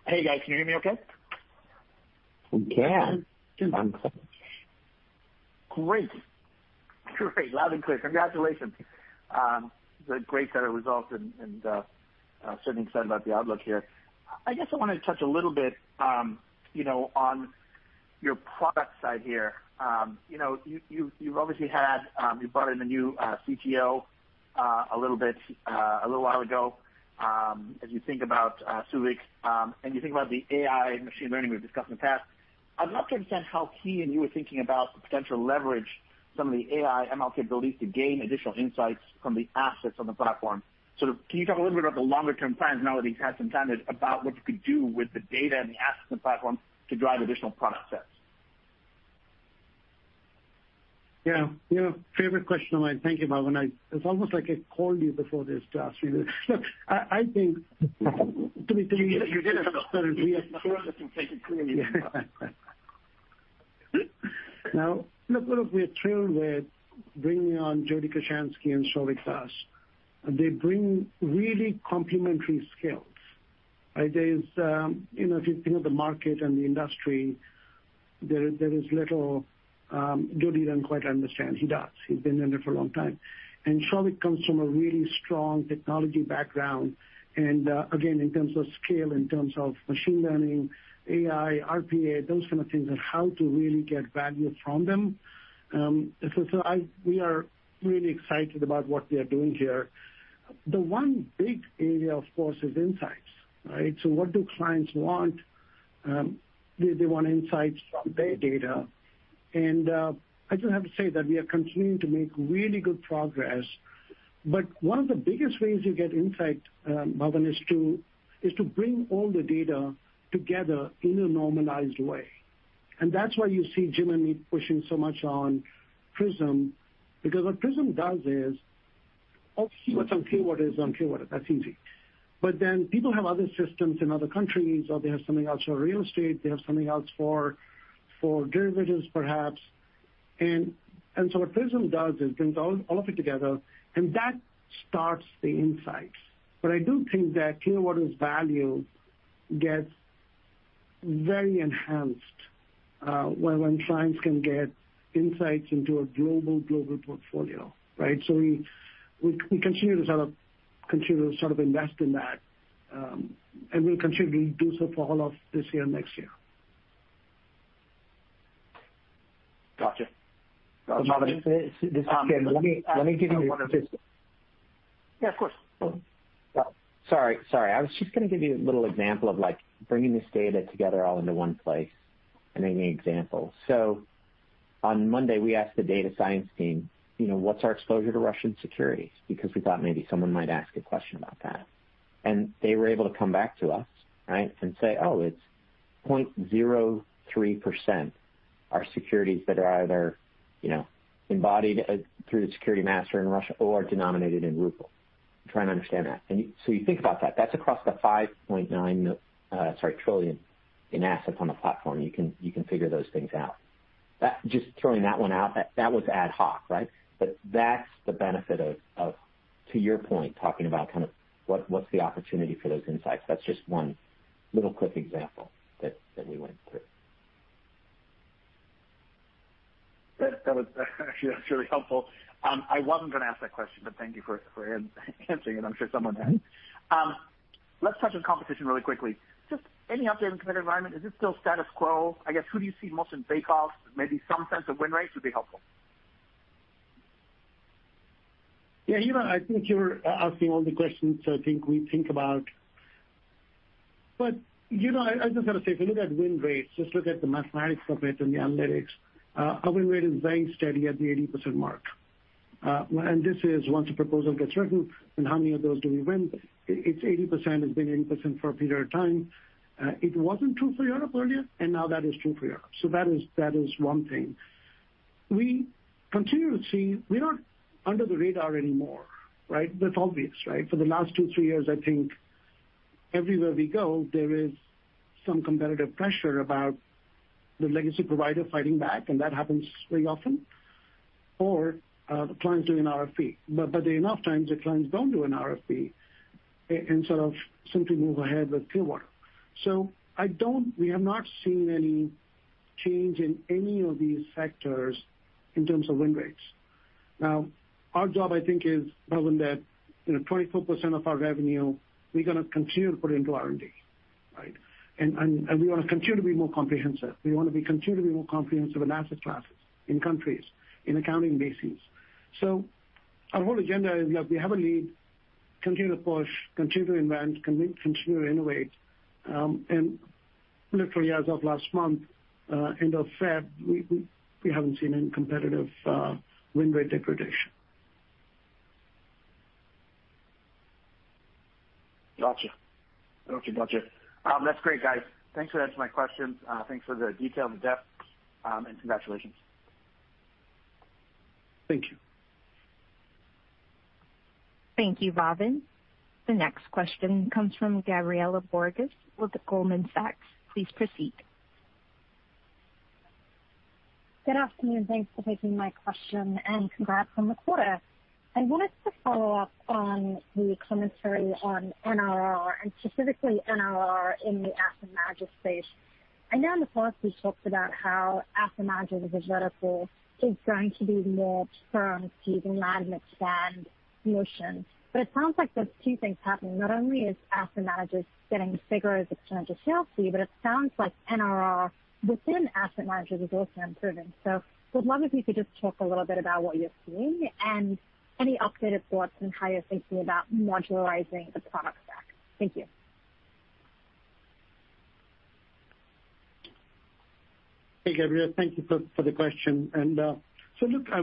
H: Hey, guys. Can you hear me okay?
C: We can.
D: Yes.
H: Great. Loud and clear. Congratulations. It's a great set of results and I'm certainly excited about the outlook here. I guess I wanted to touch a little bit, you know, on your product side here. You know, you've obviously brought in a new CTO a little while ago. As you think about Souvik and you think about the AI machine learning we've discussed in the past, I'd love to understand how he and you are thinking about the potential to leverage some of the AI ML capabilities to gain additional insights from the assets on the platform. Sort of, can you talk a little bit about the longer-term plans now that he's had some time about what you could do with the data and the assets on the platform to drive additional product sets?
C: Yeah. You know, favorite question of mine. Thank you, Bhavan. It's almost like I called you before this to ask you. Look, I think to be-
H: You did it.
C: Now, look, we are thrilled with bringing on Joseph Kochansky and Souvik to us. They bring really complementary skills, right? There's you know, if you think of the market and the industry, there is little Jody didn't quite understand. He does. He's been in it for a long time. Souvik comes from a really strong technology background, and again, in terms of scale, in terms of machine learning, AI, RPA, those kind of things, and how to really get value from them. We are really excited about what we are doing here. The one big area, of course, is insights, right? So what do clients want? They want insights from their data. I just have to say that we are continuing to make really good progress. One of the biggest ways you get insight, Bhavan, is to bring all the data together in a normalized way. That's why you see Jim and me pushing so much on Prism, because what Prism does is, keyword is on keyword. That's easy. Then people have other systems in other countries, or they have something else for real estate, they have something else for derivatives perhaps. So what Prism does is brings all of it together, and that starts the insights. I do think that Clearwater's value gets very enhanced, when clients can get insights into a global portfolio, right? We continue to sort of invest in that, and we'll continue to do so for all of this year, next year.
H: Gotcha.
D: Bhavan, this is Jim. Let me give you one of the-
H: Yeah, of course.
D: Sorry. I was just gonna give you a little example of, like, bringing this data together all into one place and giving you an example. On Monday, we asked the data science team, you know, what's our exposure to Russian securities because we thought maybe someone might ask a question about that. They were able to come back to us, right, and say, "Oh, it's 0.03% are securities that are either, you know, embodied through the security master in Russia or denominated in ruble." Try and understand that. You think about that. That's across the $5.9 trillion in assets on the platform. You can figure those things out. That just throwing that one out. That was ad hoc, right? That's the benefit of to your point, talking about kind of what's the opportunity for those insights. That's just one little quick example that we went through.
H: That was actually really helpful. I wasn't gonna ask that question, but thank you for answering it. I'm sure someone had. Let's touch on competition really quickly. Just any update on competitive environment, is it still status quo? I guess, who do you see most in bake-offs? Maybe some sense of win rates would be helpful.
C: Yeah, you know, I think you're asking all the questions I think we think about. You know, I just gotta say, if you look at win rates, just look at the mathematics of it and the analytics, our win rate is very steady at the 80% mark. This is once a proposal gets written and how many of those do we win. It's 80%. It's been 80% for a period of time. It wasn't true for Europe earlier, and now that is true for Europe. That is one thing. We continue to see we're not under the radar anymore, right? That's obvious, right? For the last 2-3 years, I think everywhere we go, there is some competitive pressure about the legacy provider fighting back, and that happens very often. The clients do an RFP. Enough times the clients don't do an RFP and sort of simply move ahead with Clearwater. We have not seen any change in any of these factors in terms of win rates. Now, our job, I think, is knowing that, you know, 24% of our revenue, we're gonna continue to put into R&D, right? We wanna continue to be more comprehensive. We wanna be continually more comprehensive in asset classes, in countries, in accounting bases. Our whole agenda is, look, we have a lead, continue to push, continue to invent, continue to innovate. Literally as of last month, end of Feb, we haven't seen any competitive win rate degradation.
H: Gotcha. Okay, gotcha. That's great, guys. Thanks for answering my questions. Thanks for the detail and the depth, and congratulations.
C: Thank you.
A: Thank you, Bhavan. The next question comes from Gabriela Borges with Goldman Sachs. Please proceed.
I: Good afternoon. Thanks for taking my question, and congrats on the quarter. I wanted to follow up on the commentary on NRR and specifically NRR in the asset manager space. I know in the past you talked about how asset managers, as a vertical, is going to be more firm to the land and expand motion. It sounds like there's two things happening. Not only is asset managers getting bigger as it comes to sales fee, but it sounds like NRR within asset managers is also improving. Would love if you could just talk a little bit about what you're seeing and any updated thoughts on how you're thinking about modularizing the product stack. Thank you.
C: Hey, Gabriela. Thank you for the question. Look, I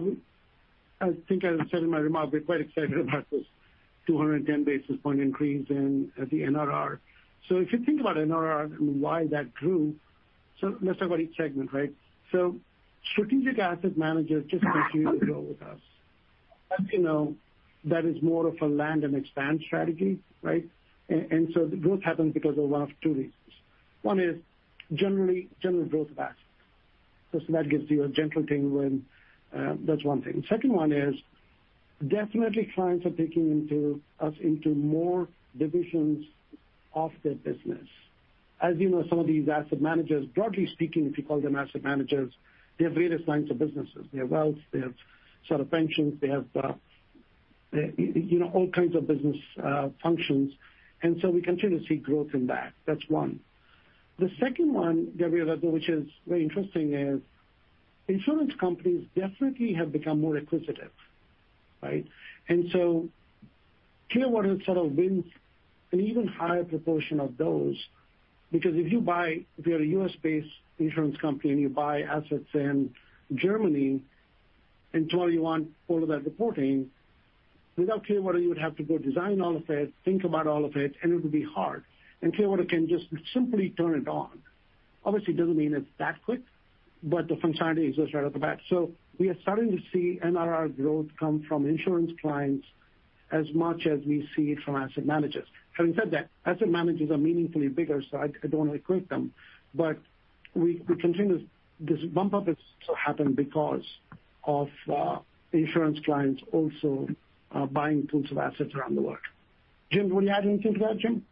C: think I said in my remarks, we're quite excited about this 210 basis point increase in the NRR. If you think about NRR and why that grew, let's talk about each segment, right? Strategic asset managers just continue to grow with us. As you know, that is more of a land and expand strategy, right? And so growth happens because of one of two reasons. One is general growth of assets. Just that gives you a general thing. That's one thing. The second one is definitely clients are taking us into more divisions of their business. As you know, some of these asset managers, broadly speaking, if you call them asset managers, they have various lines of businesses. They have wealth, they have set of pensions, they have, you know, all kinds of business functions. We continue to see growth in that. That's one. The second one, Gabriela, though, which is very interesting, is insurance companies definitely have become more acquisitive, right? Clearwater has sort of wins an even higher proportion of those because if you're a U.S.-based insurance company and you buy assets in Germany and suddenly you want all of that reporting, without Clearwater, you would have to go design all of it, think about all of it, and it would be hard. Clearwater can just simply turn it on. Obviously, it doesn't mean it's that quick, but the functionality exists right off the bat. We are starting to see NRR growth come from insurance clients as much as we see it from asset managers. Having said that, asset managers are meaningfully bigger, so I don't want to equate them, but we continue this. This bump up has also happened because of insurance clients also buying tons of assets around the world. Jim, would you add anything to that, Jim?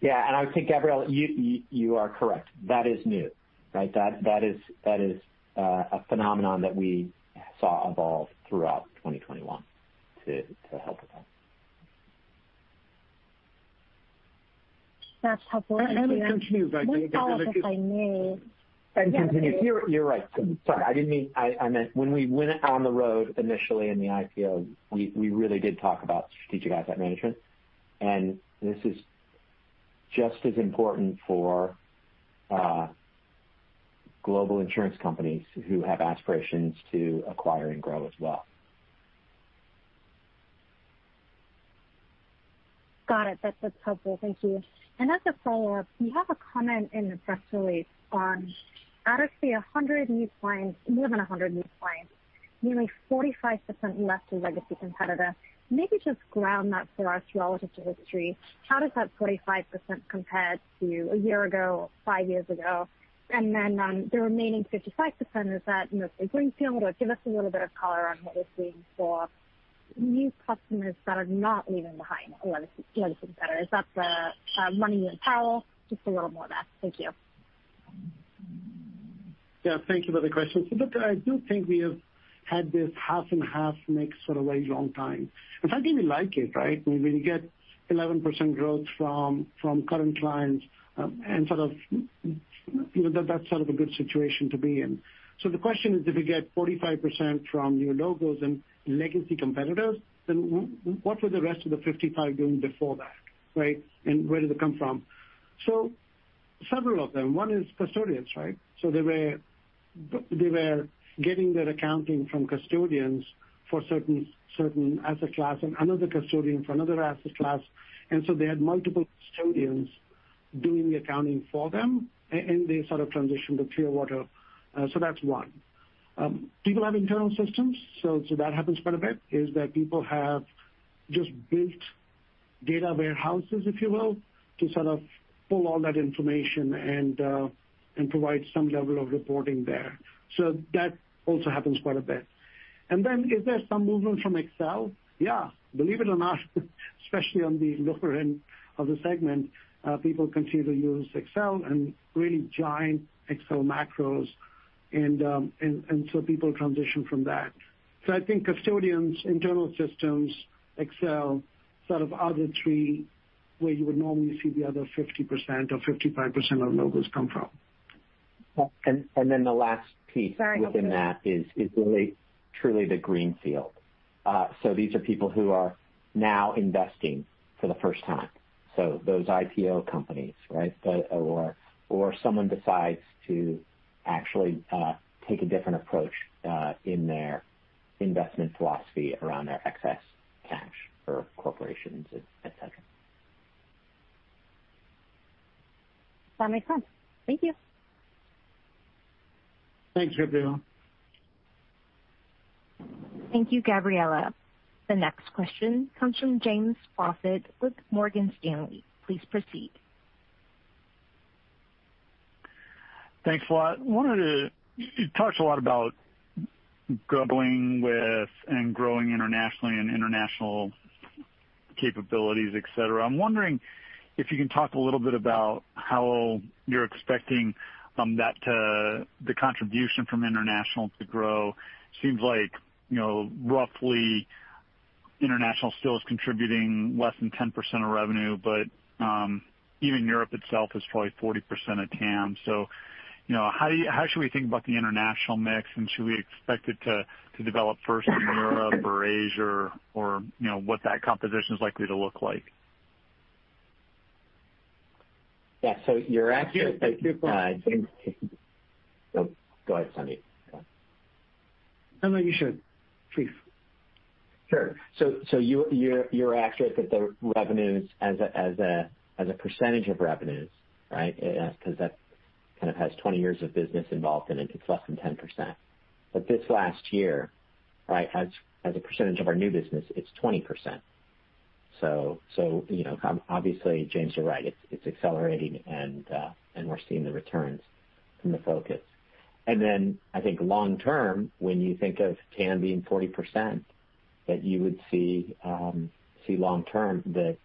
D: Yeah. I would say, Gabriela, you are correct. That is new, right? That is a phenomenon that we saw evolve throughout 2021 to help with that.
I: That's helpful.
C: Continue, Gabriela.
I: One follow-up, if I may.
C: You're right.
D: Sorry, I didn't mean. I meant when we went on the road initially in the IPO, we really did talk about strategic asset management. This is just as important for global insurance companies who have aspirations to acquire and grow as well.
I: Got it. That's helpful. Thank you. As a follow-up, you have a comment in the press release on out of more than 100 new clients, nearly 45% left a legacy competitor. Maybe just ground that for us relative to history. How does that 45% compare to a year ago, 5 years ago? Then, the remaining 55%, is that mostly greenfield? Give us a little bit of color on what we're seeing for new customers that are not leaving behind a legacy competitor. Is that the money and power? Just a little more on that. Thank you.
C: Yeah, thank you for the question. Look, I do think we have had this half and half mix for a very long time. In fact, even like it, right? When we get 11% growth from current clients, and sort of, you know, that's sort of a good situation to be in. The question is, if we get 45% from new logos and legacy competitors, then what were the rest of the 55 doing before that, right? And where did it come from? Several of them. One is custodians, right? They were getting their accounting from custodians for certain asset class and another custodian for another asset class. They had multiple custodians doing the accounting for them, and they sort of transitioned to Clearwater. That's one. People have internal systems, so that happens quite a bit. That is, people have just built data warehouses, if you will, to sort of pull all that information and provide some level of reporting there. That also happens quite a bit. Is there some movement from Excel? Yeah, believe it or not, especially on the lower end of the segment, people continue to use Excel and really giant Excel macros, and so people transition from that. I think custodians, internal systems, Excel, sort of are the three where you would normally see the other 50% or 55% of logos come from.
D: the last piece.
I: Sorry, go for it.
D: Within that is really truly the greenfield. These are people who are now investing for the first time. Those IPO companies, right? Or someone decides to actually take a different approach in their investment philosophy around their excess cash for corporations, et cetera.
I: That makes sense. Thank you.
C: Thanks, Gabriela.
A: Thank you, Gabriela. The next question comes from James Faucette with Morgan Stanley. Please proceed.
J: Thanks a lot. You talked a lot about grappling with and growing internationally and international capabilities, etc. I'm wondering if you can talk a little bit about how you're expecting that the contribution from international to grow. Seems like, you know, roughly international still is contributing less than 10% of revenue, but even Europe itself is probably 40% of TAM. You know, how should we think about the international mix, and should we expect it to develop first in Europe or Asia or, you know, what that composition is likely to look like?
D: Yeah. You're accurate.
C: Yeah. Keep going.
D: James. Oh, go ahead, Sandeep.
C: No, you should. Please.
D: Sure. You're accurate that the revenues as a percentage of revenues, right? Because that kind of has 20 years of business involved in it. It's less than 10%. This last year, right, as a percentage of our new business, it's 20%. You know, obviously, James, you're right. It's accelerating and we're seeing the returns from the focus. I think long term, when you think of TAM being 40%, you would see long term that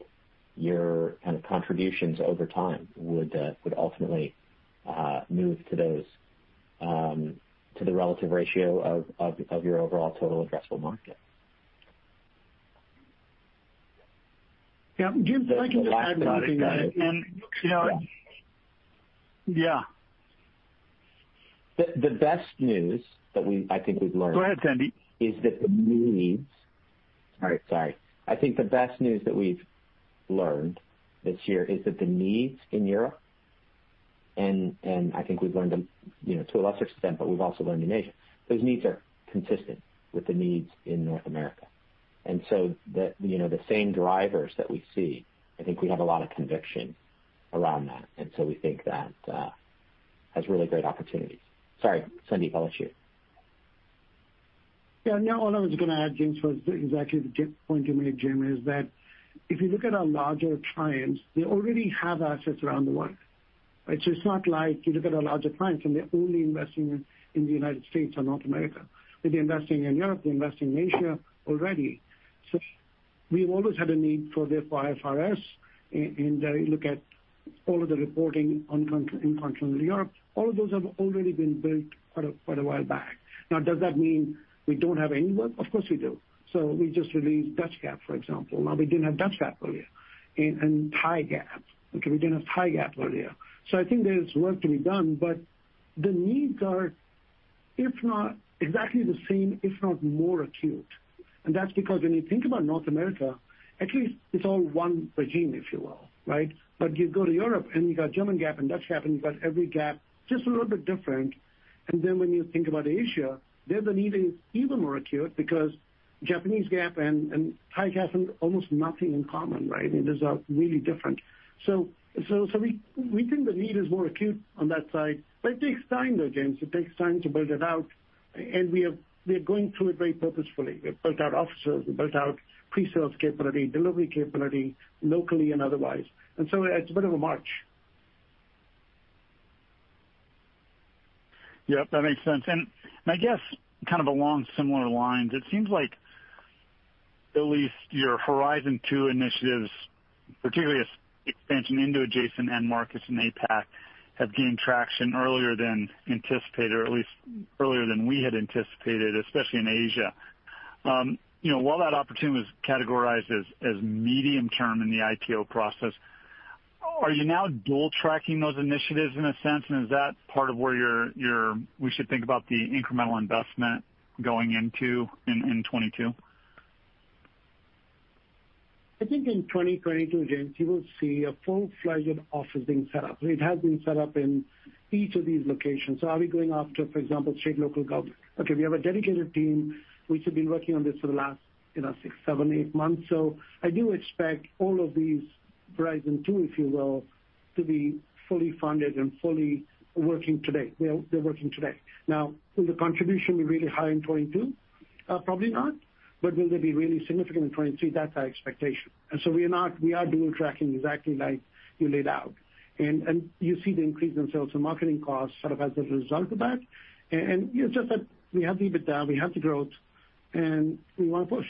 D: your kind of contributions over time would ultimately move to those to the relative ratio of your overall total addressable market.
C: Yeah. If I can just add about it.
D: Yeah.
C: You know. Yeah.
D: I think we've learned. Go ahead, Sandeep. I think the best news that we've learned this year is that the needs in Europe, and I think we've learned them, you know, to a lesser extent, but we've also learned in Asia, those needs are consistent with the needs in North America. The, you know, the same drivers that we see, I think we have a lot of conviction around that, and so we think that has really great opportunities. Sorry, Sandeep, I'll let you.
C: Yeah. No, all I was gonna add, James, was exactly the key point you made, James, is that if you look at our larger clients, they already have assets around the world, right? It's not like you look at our larger clients, and they're only investing in the United States or North America. They've been investing in Europe, they invest in Asia already. We've always had a need for their IFRS in the look-through of all of the reporting in continental Europe. All of those have already been built quite a while back. Now, does that mean we don't have any work? Of course, we do. We just released Dutch GAAP, for example. Now, we didn't have Dutch GAAP earlier. And Thai GAAP. Okay, we didn't have Thai GAAP earlier. I think there is work to be done, but the needs are if not exactly the same, if not more acute. That's because when you think about North America, at least it's all one regime, if you will, right? You go to Europe, and you got German GAAP and Dutch GAAP, and you've got every GAAP just a little bit different. Then when you think about Asia, there the need is even more acute because Japanese GAAP and Thai GAAP have almost nothing in common, right? I mean, those are really different. We think the need is more acute on that side, but it takes time, though, James. It takes time to build it out. We are going through it very purposefully. We've built out offices, we built out pre-sales capability, delivery capability, locally and otherwise. It's a bit of a march.
J: Yep, that makes sense. I guess kind of along similar lines, it seems like at least your Horizon 2 initiatives, particularly expansion into adjacent end markets in APAC, have gained traction earlier than anticipated, or at least earlier than we had anticipated, especially in Asia. You know, while that opportunity was categorized as medium-term in the IPO process, are you now dual tracking those initiatives in a sense? Is that part of where we should think about the incremental investment going into in 2022?
C: I think in 2022, James, you will see a full-fledged office being set up. It has been set up in each of these locations. Are we going after, for example, state and local government? Okay, we have a dedicated team which has been working on this for the last, you know, six, seven, eight months. I do expect all of these Horizon 2, if you will, to be fully funded and fully working today. They're working today. Now, will the contribution be really high in 2022? Probably not. Will they be really significant in 2023? That's our expectation. We are dual tracking exactly like you laid out. You see the increase in sales and marketing costs sort of as a result of that. It's just that we have the EBITDA, we have the growth, and we wanna push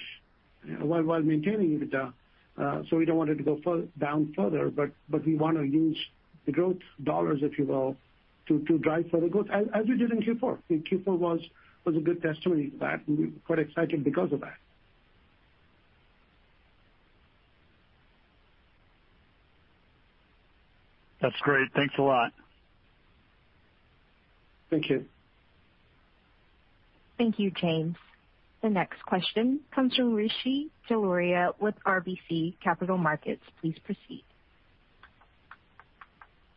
C: while maintaining EBITDA. We don't want it to go down further, but we wanna use the growth dollars, if you will, to drive further growth as we did in Q4. Q4 was a good testament to that, and we're quite excited because of that.
J: That's great. Thanks a lot.
C: Thank you.
A: Thank you, James. The next question comes from Rishi Jaluria with RBC Capital Markets. Please proceed.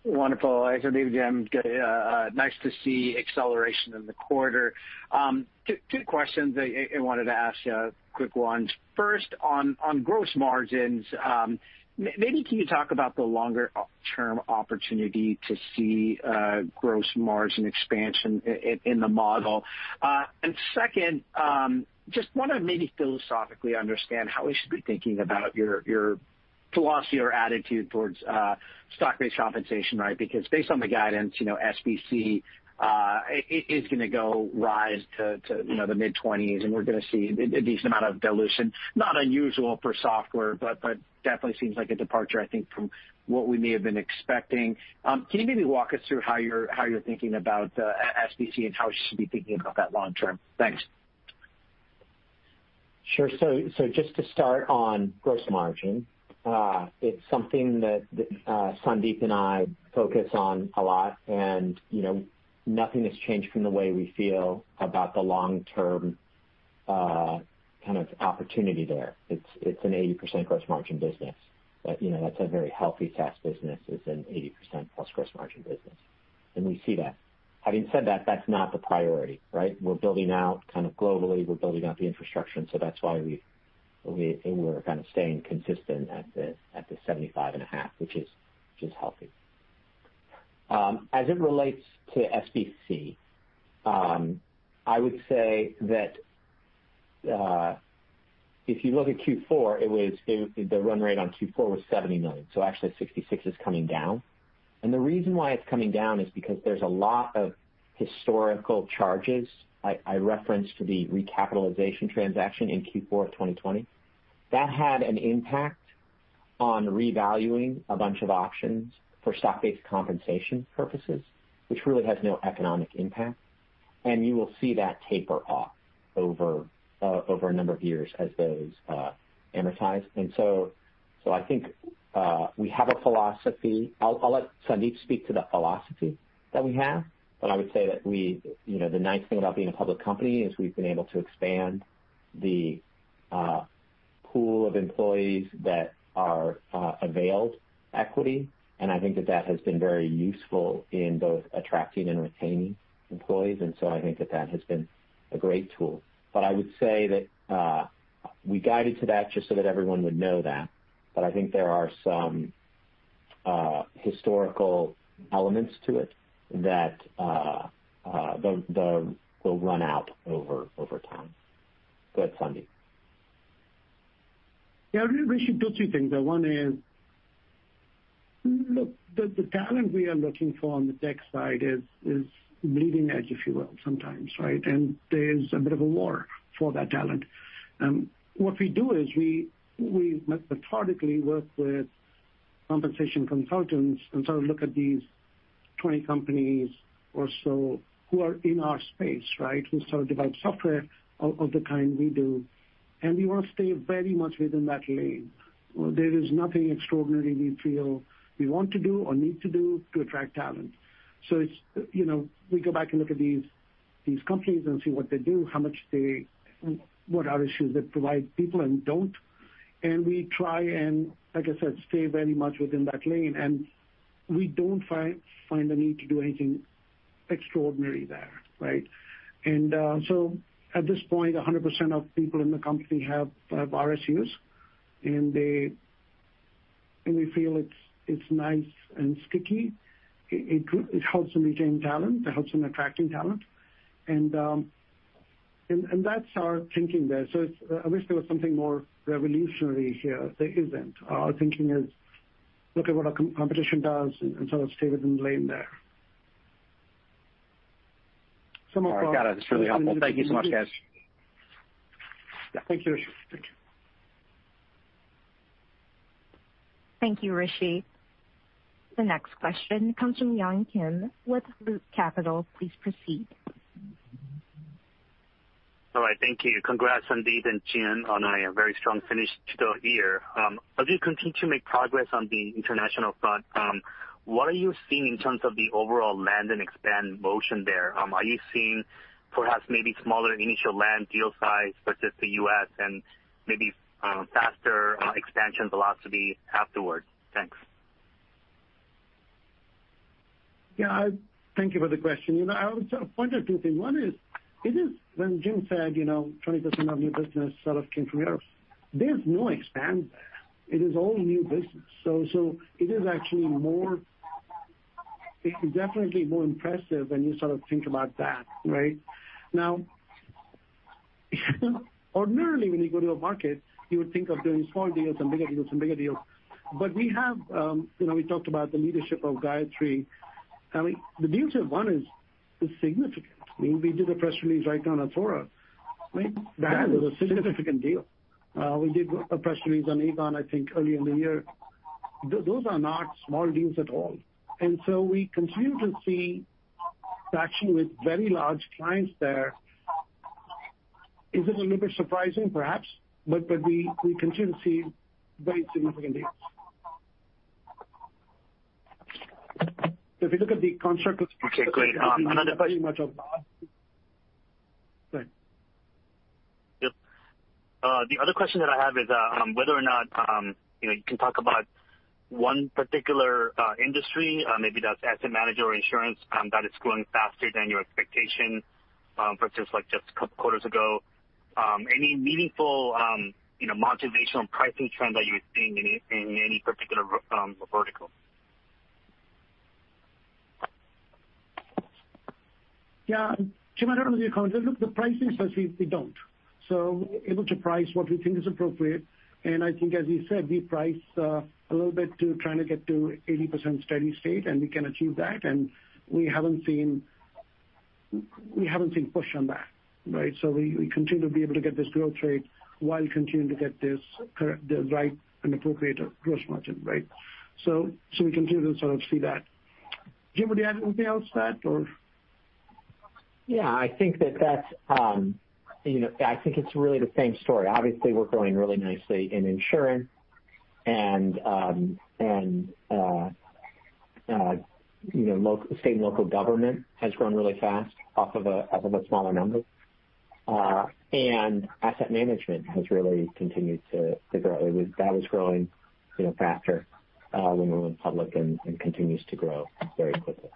K: Wonderful. Hey, Sandeep, James. Nice to see acceleration in the quarter. Two questions I wanted to ask you, quick ones. First, on gross margins, maybe can you talk about the longer term opportunity to see gross margin expansion in the model? Second, just wanna maybe philosophically understand how we should be thinking about your philosophy or attitude towards stock-based compensation, right? Because based on the guidance, you know, SBC is gonna rise to the mid-twenties, and we're gonna see a decent amount of dilution. Not unusual for software, but definitely seems like a departure, I think, from what we may have been expecting. Can you maybe walk us through how you're thinking about SBC and how we should be thinking about that long term? Thanks.
D: Sure. Just to start on gross margin, it's something that Sandeep and I focus on a lot and, you know, nothing has changed from the way we feel about the long-term kind of opportunity there. It's an 80% gross margin business. You know, that's a very healthy SaaS business. It's an 80%+ gross margin business, and we see that. Having said that's not the priority, right? We're building out kind of globally. We're building out the infrastructure, and that's why we're kind of staying consistent at the 75.5%, which is healthy. As it relates to SBC, I would say that if you look at Q4, the run rate on Q4 was $70 million. Actually $66 million is coming down. The reason why it's coming down is because there's a lot of historical charges I referenced to the recapitalization transaction in Q4 of 2020. That had an impact on revaluing a bunch of options for stock-based compensation purposes, which really has no economic impact. You will see that taper off over a number of years as those amortize. I think we have a philosophy. I'll let Sandeep speak to the philosophy that we have, but I would say that we... You know, the nice thing about being a public company is we've been able to expand the pool of employees that are availed equity, and I think that has been very useful in both attracting and retaining employees. I think that has been a great tool. I would say that we guided to that just so that everyone would know that. I think there are some historical elements to it that the will run out over time. Go ahead, Sandeep.
C: Yeah. We should do two things there. One is, look, the talent we are looking for on the tech side is bleeding edge, if you will, sometimes, right? There's a bit of a war for that talent. What we do is we methodically work with compensation consultants and sort of look at these 20 companies or so who are in our space, right? Who sort of develop software of the kind we do. We want to stay very much within that lane. There is nothing extraordinary we feel we want to do or need to do to attract talent. It's, you know, we go back and look at these companies and see what they do, how much they, what RSUs they provide people and don't. We try and, like I said, stay very much within that lane. We don't find the need to do anything extraordinary there, right? So at this point, 100% of people in the company have RSUs, and we feel it's nice and sticky. It helps in retaining talent, it helps in attracting talent. That's our thinking there. I wish there was something more revolutionary here. There isn't. Our thinking is, look at what our competition does and sort of stay within the lane there. Some of our
D: All right.
K: Got it. It's really helpful. Thank you so much, guys.
C: Yeah. Thank you, Rishi. Thank you.
A: Thank you, Rishi. The next question comes from Yun Kim with Loop Capital Markets. Please proceed.
L: All right. Thank you. Congrats, Sandeep and Jim, on a very strong finish to the year. As you continue to make progress on the international front, what are you seeing in terms of the overall land and expand motion there? Are you seeing perhaps maybe smaller initial land deal size versus the U.S. and maybe faster expansion velocity afterwards? Thanks.
C: Yeah. Thank you for the question. You know, I would sort of point at two things. One is, it is. When Jim said, you know, 20% of new business sort of came from Europe, there's no expansion there. It is all new business. It is actually more. It's definitely more impressive when you sort of think about that, right? Now, ordinarily, when you go to a market, you would think of doing small deals and bigger deals and bigger deals. We have, you know, we talked about the leadership of Gayatri. I mean, the beauty of one is it's significant. I mean, we did a press release, right, on Athora, right? That was a significant deal. We did a press release on Aegon, I think, earlier in the year. Those are not small deals at all. We continue to see traction with very large clients there. Is it a little bit surprising? Perhaps. We continue to see very significant deals. If you look at the construct of
L: Okay, great.
C: Go ahead.
L: Yep. The other question that I have is whether or not you know you can talk about one particular industry maybe that's asset manager or insurance that is growing faster than your expectation versus like just a couple quarters ago. Any meaningful you know monetization pricing trend that you're seeing in any particular vertical?
C: Yeah. Kim, I don't know if you want to comment. Look, the pricing is that we're able to price what we think is appropriate. I think as we said, we price a little bit trying to get to 80% steady state, and we can achieve that. We haven't seen push on that, right? We continue to be able to get this growth rate while continuing to get the right and appropriate gross margin, right? We continue to sort of see that. Jim, would you add anything else to that or?
D: Yeah, I think that's you know I think it's really the same story. Obviously, we're growing really nicely in insurance and state and local government has grown really fast off of a smaller number. Asset management has really continued to grow. That was growing you know faster when we went public and continues to grow very quickly.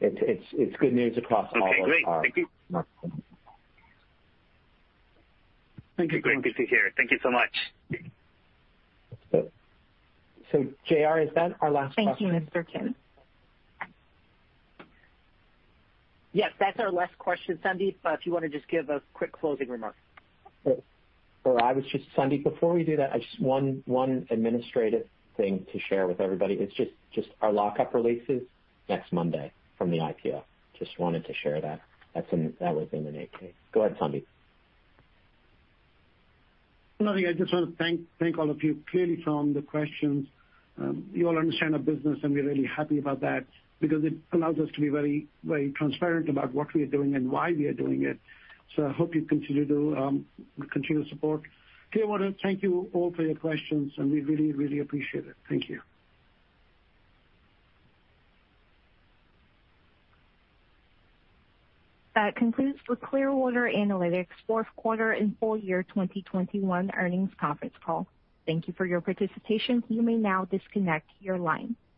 D: It's good news across all of our.
L: Okay, great. Thank you.
C: Thank you.
D: Great to hear. Thank you so much.
C: JR, is that our last question?
A: Thank you, Mr. Kim.
B: Yes, that's our last question. Sandeep, if you wanna just give a quick closing remark.
D: Sure. Sandeep, before we do that, I just have one administrative thing to share with everybody. It's just our lockup release is next Monday from the IPO. Just wanted to share that. That was in an 8-K. Go ahead, Sandeep.
C: Nothing. I just wanna thank all of you. Clearly from the questions, you all understand our business, and we're really happy about that because it allows us to be very, very transparent about what we are doing and why we are doing it. I hope you continue to support Clearwater. Thank you all for your questions, and we really, really appreciate it. Thank you.
A: That concludes the Clearwater Analytics fourth quarter and full year 2021 earnings conference call. Thank you for your participation. You may now disconnect your line.